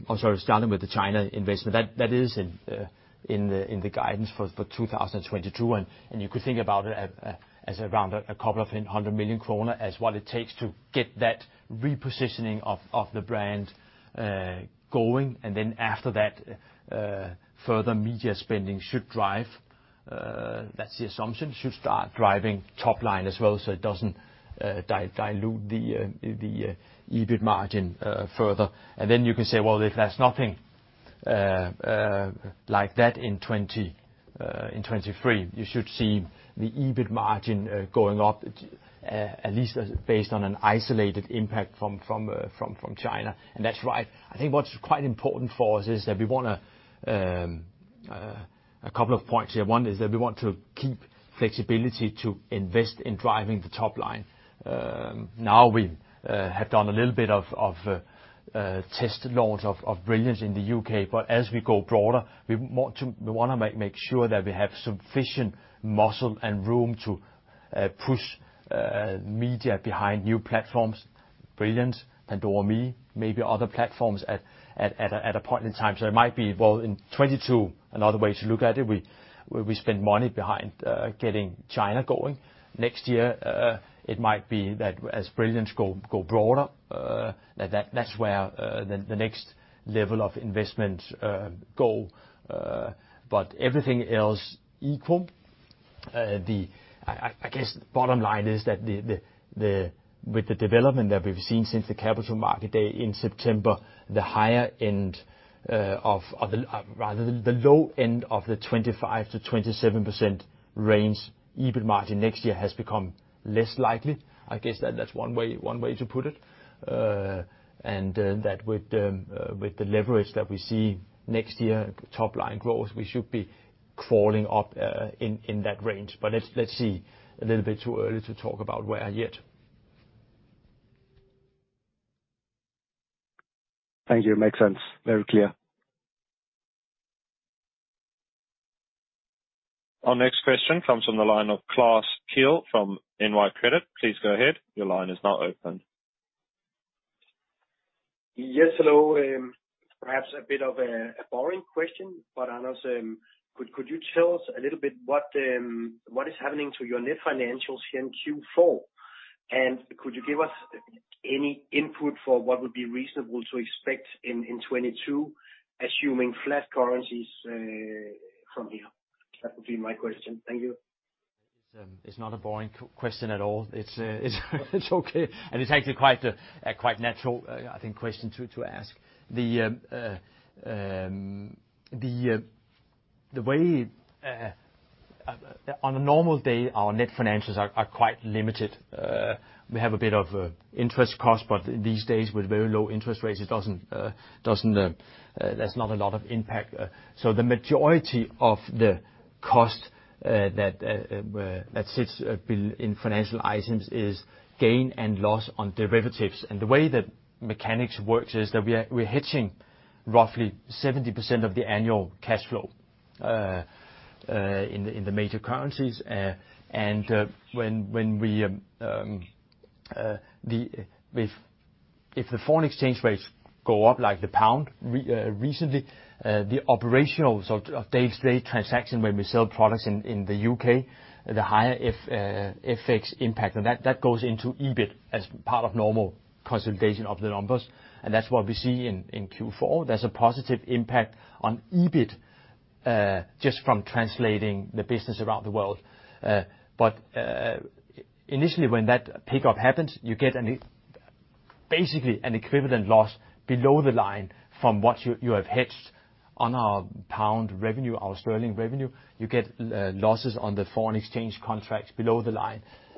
Oh, sorry, starting with the China investment. That is in the guidance for 2022, and you could think about it as around 200 million kroner as what it takes to get that repositioning of the brand going. I think what's quite important for us is that we want a couple of points here. One is that we want to keep flexibility to invest in driving the top line. Now we have done a little bit of test launch of Brilliance in the U.K. As we go broader, we want to make sure that we have sufficient muscle and room to push media behind new platforms. Everything else equal, I guess bottom line is that the with the development that we've seen since the Capital Markets Day in September, the higher end rather the low end of the 25% to 27% range EBIT margin next year has become less likely. I guess that's one way to put it. A little bit too early to talk about where yet. Thank you. Makes sense. Very clear. Our next question comes from the line of Kristian Godiksen from Nykredit. Please go ahead. Your line is now open. Yes, hello. Perhaps a bit of a boring question, but Anders, could you tell us a little bit what is happening to your net financials in Q4? Could you give us any input for what would be reasonable to expect in 2022, assuming flat currencies, from here? That would be my question. Thank you. It's not a boring question at all. It's okay. It's actually quite a natural, I think, question to ask. On a normal day, our net financials are quite limited. We have a bit of interest costs, but these days, with very low interest rates, it doesn't have a lot of impact. If the foreign exchange rates go up, like the pound recently, the operational sort of day-to-day transaction when we sell products in the UK, the higher FX impact, and that goes into EBIT as part of normal consolidation of the numbers. That's what we see in Q4.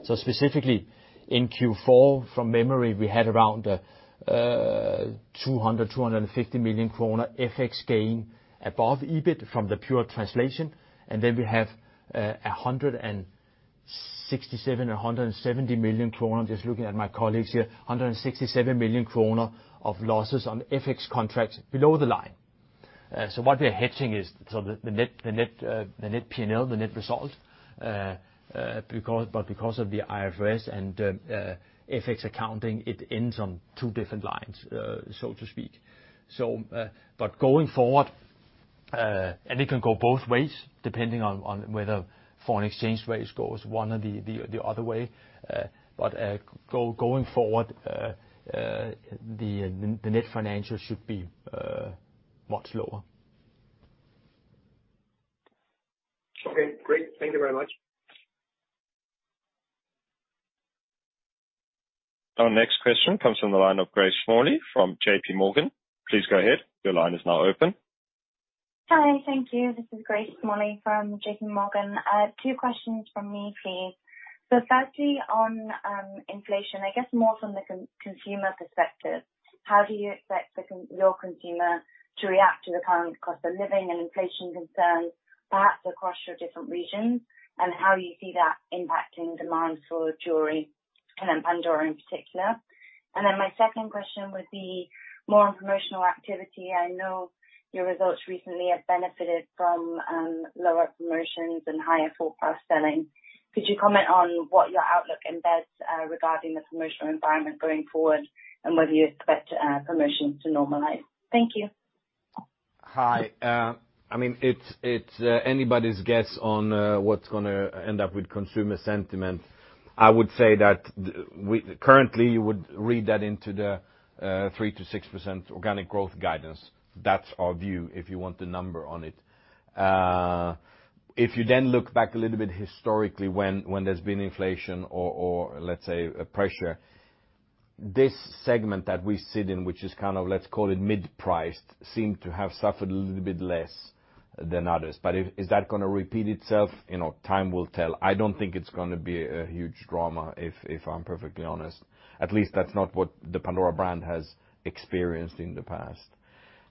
Specifically in Q4, from memory, we had around DKK 250 million FX gain above EBIT from the pure translation. We have 167 million or 170 million kroner. I'm just looking at my colleagues here. 167 million kroner of losses on FX contracts below the line. Okay, great. Thank you very much. Our next question comes from the line of Grace Smalley from JP Morgan. Please go ahead. Your line is now open. Hi. Thank you. This is Grace Smalley from JP Morgan. Two questions from me, please. Firstly on inflation, I guess more from the consumer perspective, how do you expect your consumer to react to the current cost of living and inflation concerns, perhaps across your different regions, and how you see that impacting demand for jewelry and then Pandora in particular? Hi. I mean, it's anybody's guess on what's gonna end up with consumer sentiment. I would say that currently you would read that into the 3% to 6% organic growth guidance. That's our view, if you want the number on it. Than others. If is that gonna repeat itself? You know, time will tell. I don't think it's gonna be a huge drama, if I'm perfectly honest. At least that's not what the Pandora brand has experienced in the past.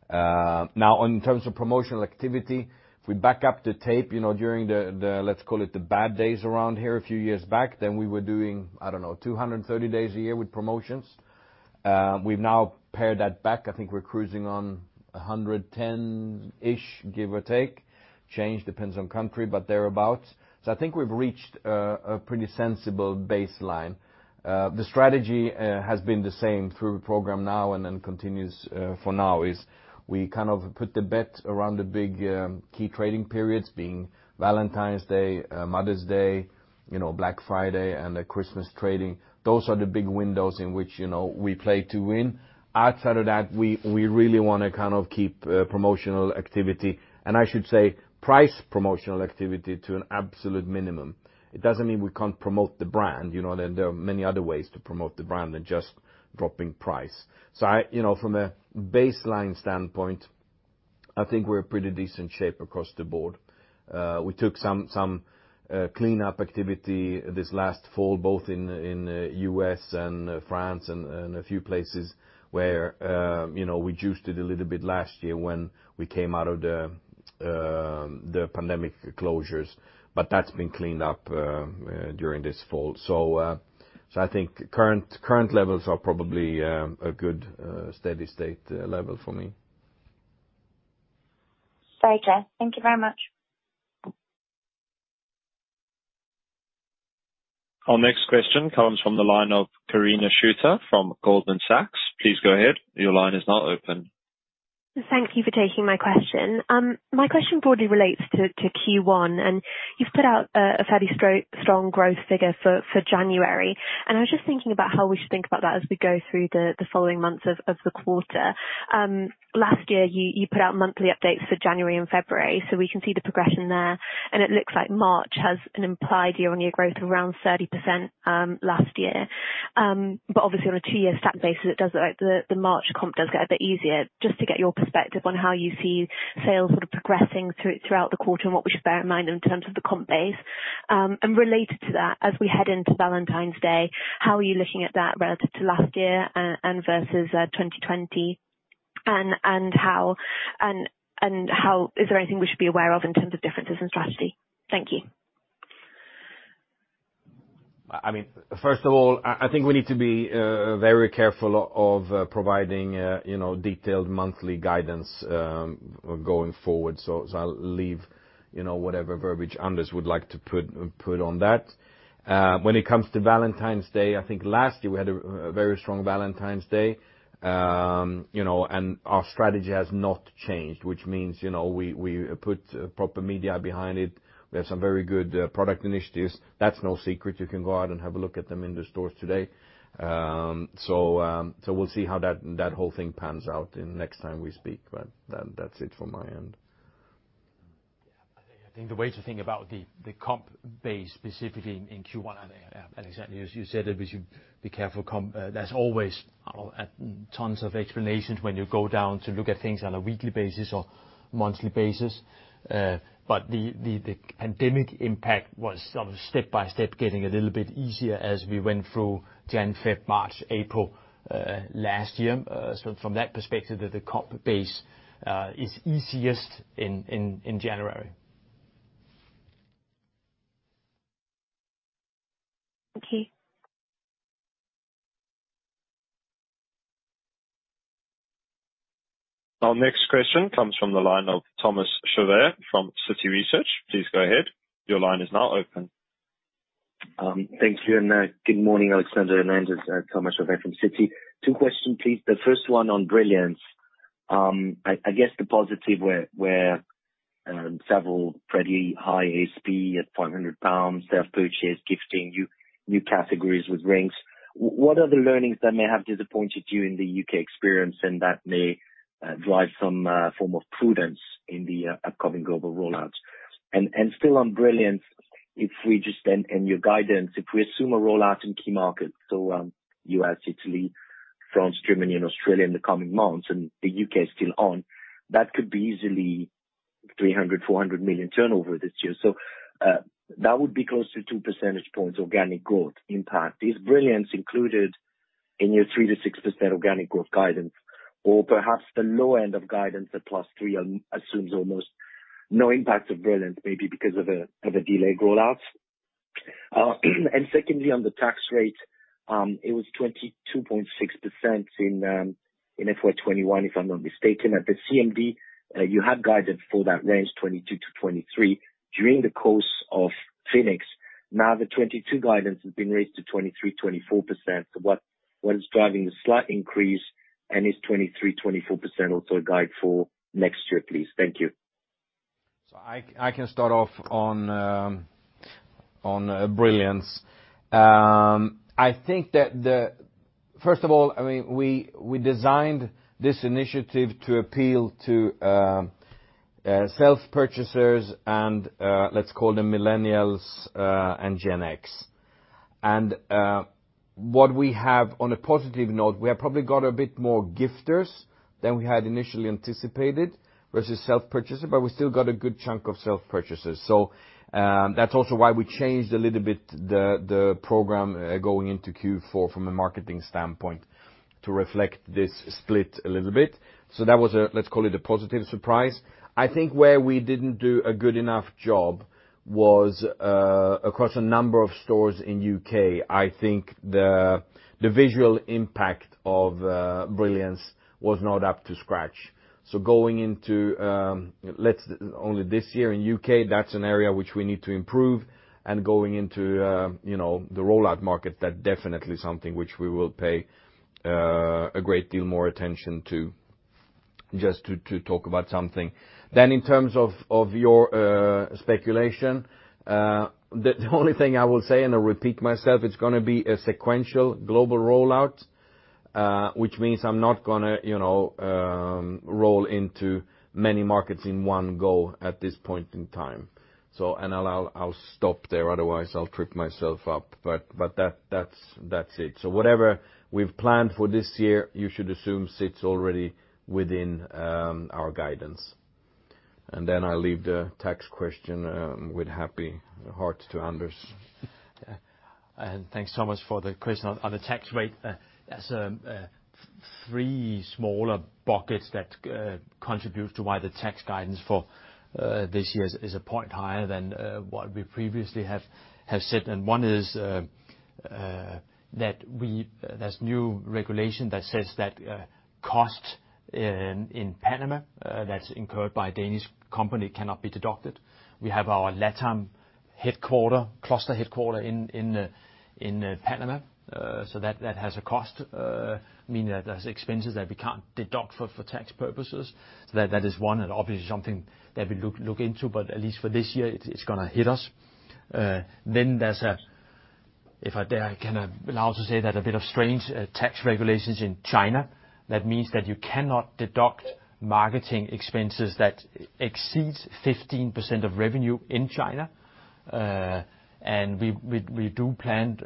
Now, in terms of promotional activity, if we back up the tape, you know, during the, let's call it the bad days around here a few years back, then we were doing, I don't know, 230 days a year with promotions. The strategy has been the same through the program now and then continues for now is we kind of put the bet around the big key trading periods being Valentine's Day, Mother's Day, you know, Black Friday and the Christmas trading. Those are the big windows in which, you know, we play to win. We took some cleanup activity this last fall, both in U.S. and France and a few places where you know, we juiced it a little bit last year when we came out of the pandemic closures. That's been cleaned up during this fall. I think current levels are probably a good steady state level for me. Great. Thank you very much. Our next question comes from the line of Daria Nasledysheva from Goldman Sachs. Please go ahead. Your line is now open. Thank you for taking my question. My question broadly relates to Q1, and you've put out a fairly strong growth figure for January. I was just thinking about how we should think about that as we go through the following months of the quarter. Related to that, as we head into Valentine's Day, how are you looking at that relative to last year and versus 2020? Is there anything we should be aware of in terms of differences in strategy? Thank you. I mean, first of all, I think we need to be very careful of providing, you know, detailed monthly guidance going forward. I'll leave, you know, whatever verbiage Anders would like to put on that. When it comes to Valentine's Day, I think last year we had a very strong Valentine's Day. I think the way to think about the comp base specifically in Q1, and exactly as you said it, we should be careful. There's always tons of explanations when you go down to look at things on a weekly basis or monthly basis. Okay. Our next question comes from the line of Thomas Chauvet from Citi Research. Please go ahead. Your line is now open. Thank you, and good morning, Alexander and Anders. Thomas Chauvet from Citi. Two questions, please. The first one on Brilliance. I guess the positive were several pretty high ASP at 500 pounds, self-purchase gifting, new categories with rings. That would be close to 2 percentage points organic growth impact. Is Brilliance included in your 3% to 6% organic growth guidance? Perhaps the low end of guidance at +3% assumes almost no impact of Brilliance, maybe because of a delayed rollout. I can start off on brilliance. I think that, first of all, I mean, we designed this initiative to appeal to self-purchasers and, let's call them millennials and Gen X. What we have on a positive note, we have probably got a bit more gifters than we had initially anticipated versus self-purchasers, but we still got a good chunk of self-purchasers. Going into only this year in U.K., that's an area which we need to improve and going into the rollout markets, that's definitely something which we will pay a great deal more attention to just to talk about something. In terms of your speculation, the only thing I will say, and I'll repeat myself, it's gonna be a sequential global rollout. Thanks so much for the question on the tax rate. There's three smaller buckets that contribute to why the tax guidance for this year is a point higher than what we previously have said. One is that there's new regulation that says that costs in Panama that's incurred by a Danish company cannot be deducted. There's, if I dare, can I be allowed to say that, a bit of strange tax regulations in China that means that you cannot deduct marketing expenses that exceed 15% of revenue in China. We do plan,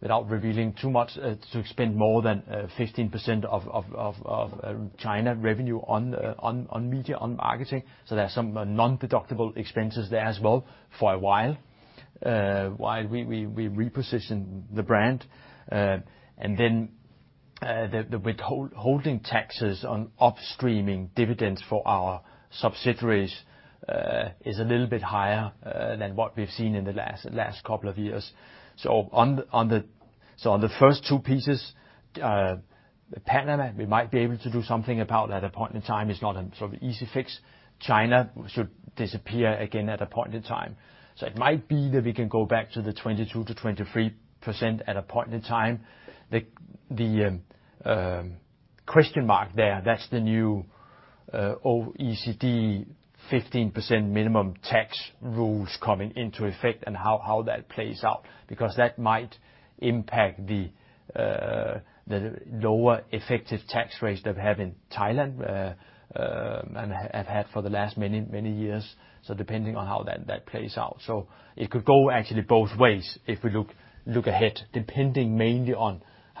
without revealing too much, to spend more than 15% of China revenue on media, on marketing. It's not a sort of easy fix. China should disappear again over time. It might be that we can go back to the 22% to 23% over time. The question mark there, that's the new OECD 15% minimum tax rules coming into effect and how that plays out, because that might impact the lower effective tax rates that we have in Thailand and have had for the last many years.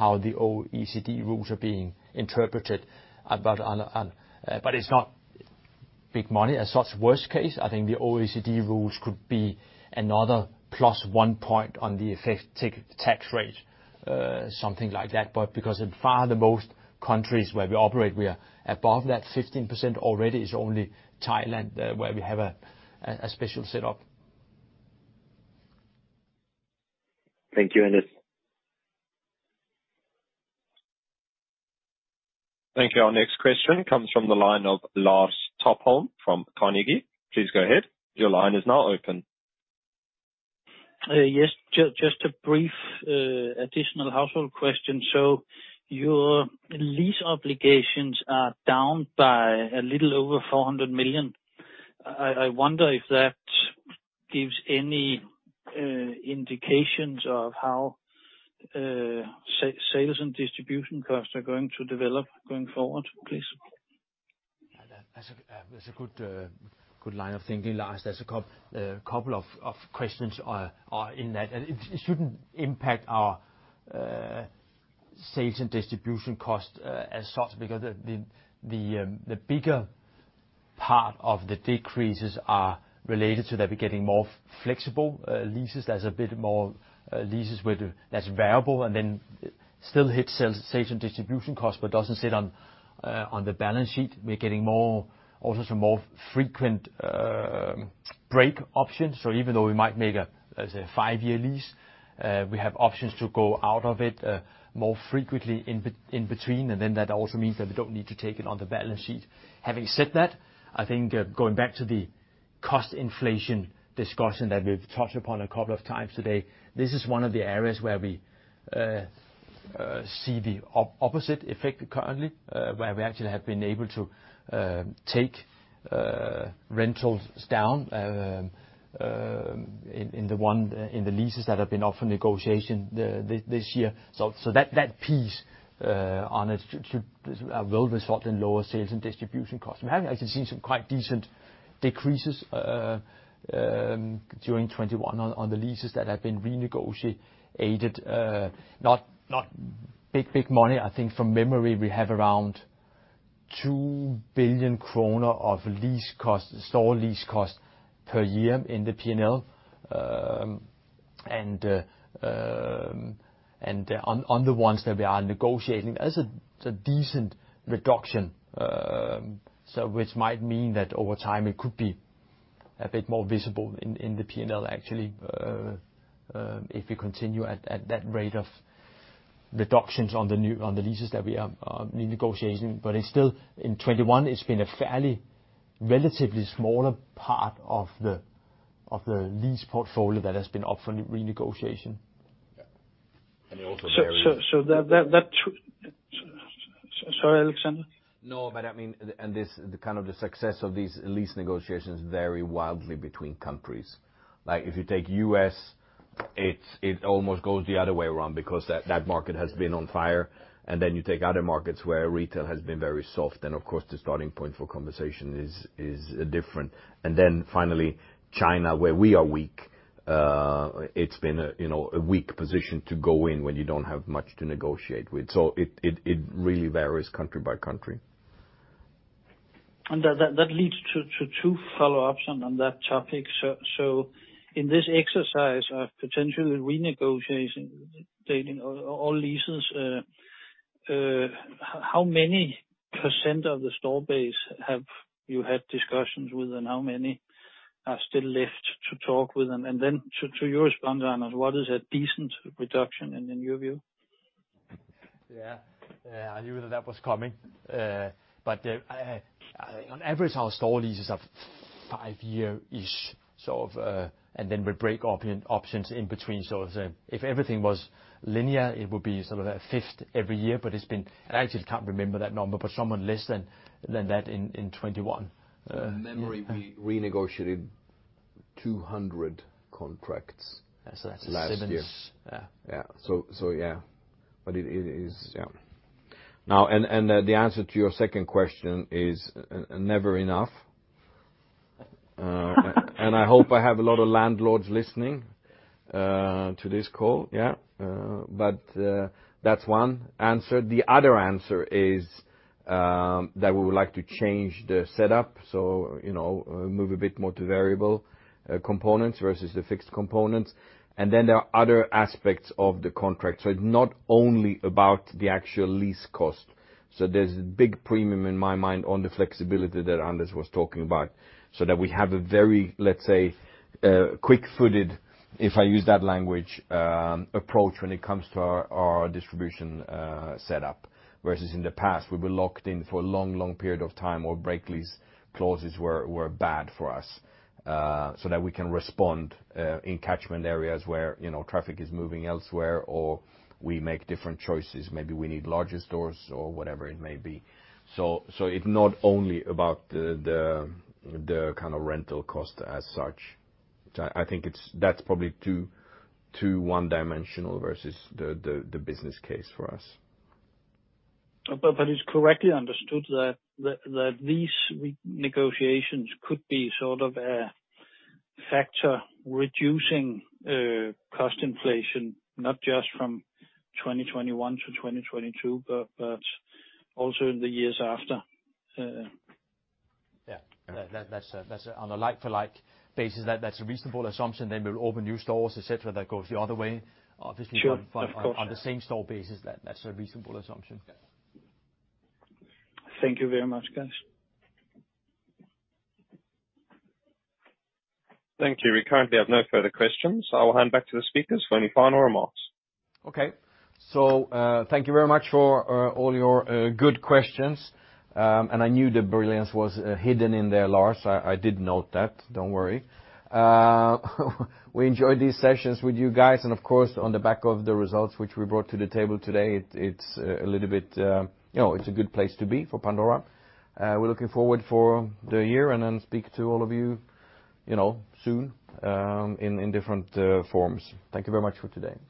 Because in by far the most countries where we operate, we are above that 15% already. It's only Thailand, where we have a special setup. Thank you, Anders. Thank you. Our next question comes from the line of Lars Topholm from Carnegie. Please go ahead. Your line is now open. Yes, just a brief additional household question. Your lease obligations are down by a little over 400 million. I wonder if that gives any indications of how sales and distribution costs are going to develop going forward, please. Yeah, that's a good line of thinking, Lars. There's a couple of questions in that. It shouldn't impact our sales and distribution costs as such because the bigger part of the decreases are related to that we're getting more flexible leases. Having said that, I think going back to the cost inflation discussion that we've touched upon a couple of times today, this is one of the areas where we see the opposite effect currently, where we actually have been able to take rentals down in the leases that have been up for negotiation this year. On the ones that we are negotiating, it's a decent reduction, so which might mean that over time it could be a bit more visible in the P&L actually, if we continue at that rate of reductions on the leases that we are renegotiating. Yeah. It also varies. Sorry, Alexander. No, but I mean, this, the kind of the success of these lease negotiations vary wildly between countries. Like, if you take U.S., it almost goes the other way around because that market has been on fire. That leads to two follow-ups on that topic. In this exercise of potentially renegotiating all leases, how many % of the store base have you had discussions with, and how many are still left to talk with? Then to your response, Anders, what is a decent reduction in your view? Yeah, I knew that was coming. But on average our store leases are five year-ish sort of, and then we break options in between. If everything was linear, it would be sort of a fifth every year, but it's been. I actually can't remember that number, but somewhat less than that in 2021. From memory, we renegotiated 200 contracts. Yeah. So yeah. It is. Now the answer to your second question is never enough. I hope I have a lot of landlords listening to this call, yeah. That's one answer. The other answer is that we would like to change the setup, so you know, move a bit more to variable components versus the fixed components. Versus in the past, we were locked in for a long, long period of time, or break lease clauses were bad for us. So that we can respond in catchment areas where, you know, traffic is moving elsewhere or we make different choices. Maybe we need larger stores or whatever it may be. So it's not only about the kind of rental cost as such. So I think that's probably too one-dimensional versus the business case for us. It's correctly understood that these negotiations could be sort of a factor reducing cost inflation, not just from 2021 to 2022, but also in the years after. Yeah. That's a reasonable assumption on a like for like basis. We'll open new stores, et cetera, that goes the other way. Obviously. Sure. Of course. On the same store basis, that's a reasonable assumption. Yeah. Thank you very much, guys. Thank you. We currently have no further questions. I will hand back to the speakers for any final remarks. Okay. Thank you very much for all your good questions. I knew the brilliance was hidden in there, Lars. I did note that. Don't worry. We enjoy these sessions with you guys, and of course, on the back of the results which we brought to the table today, it's a little bit, you know, it's a good place to be for Pandora. We're looking forward for the year and then speak to all of you know, soon, in different forms. Thank you very much for today. Thank you.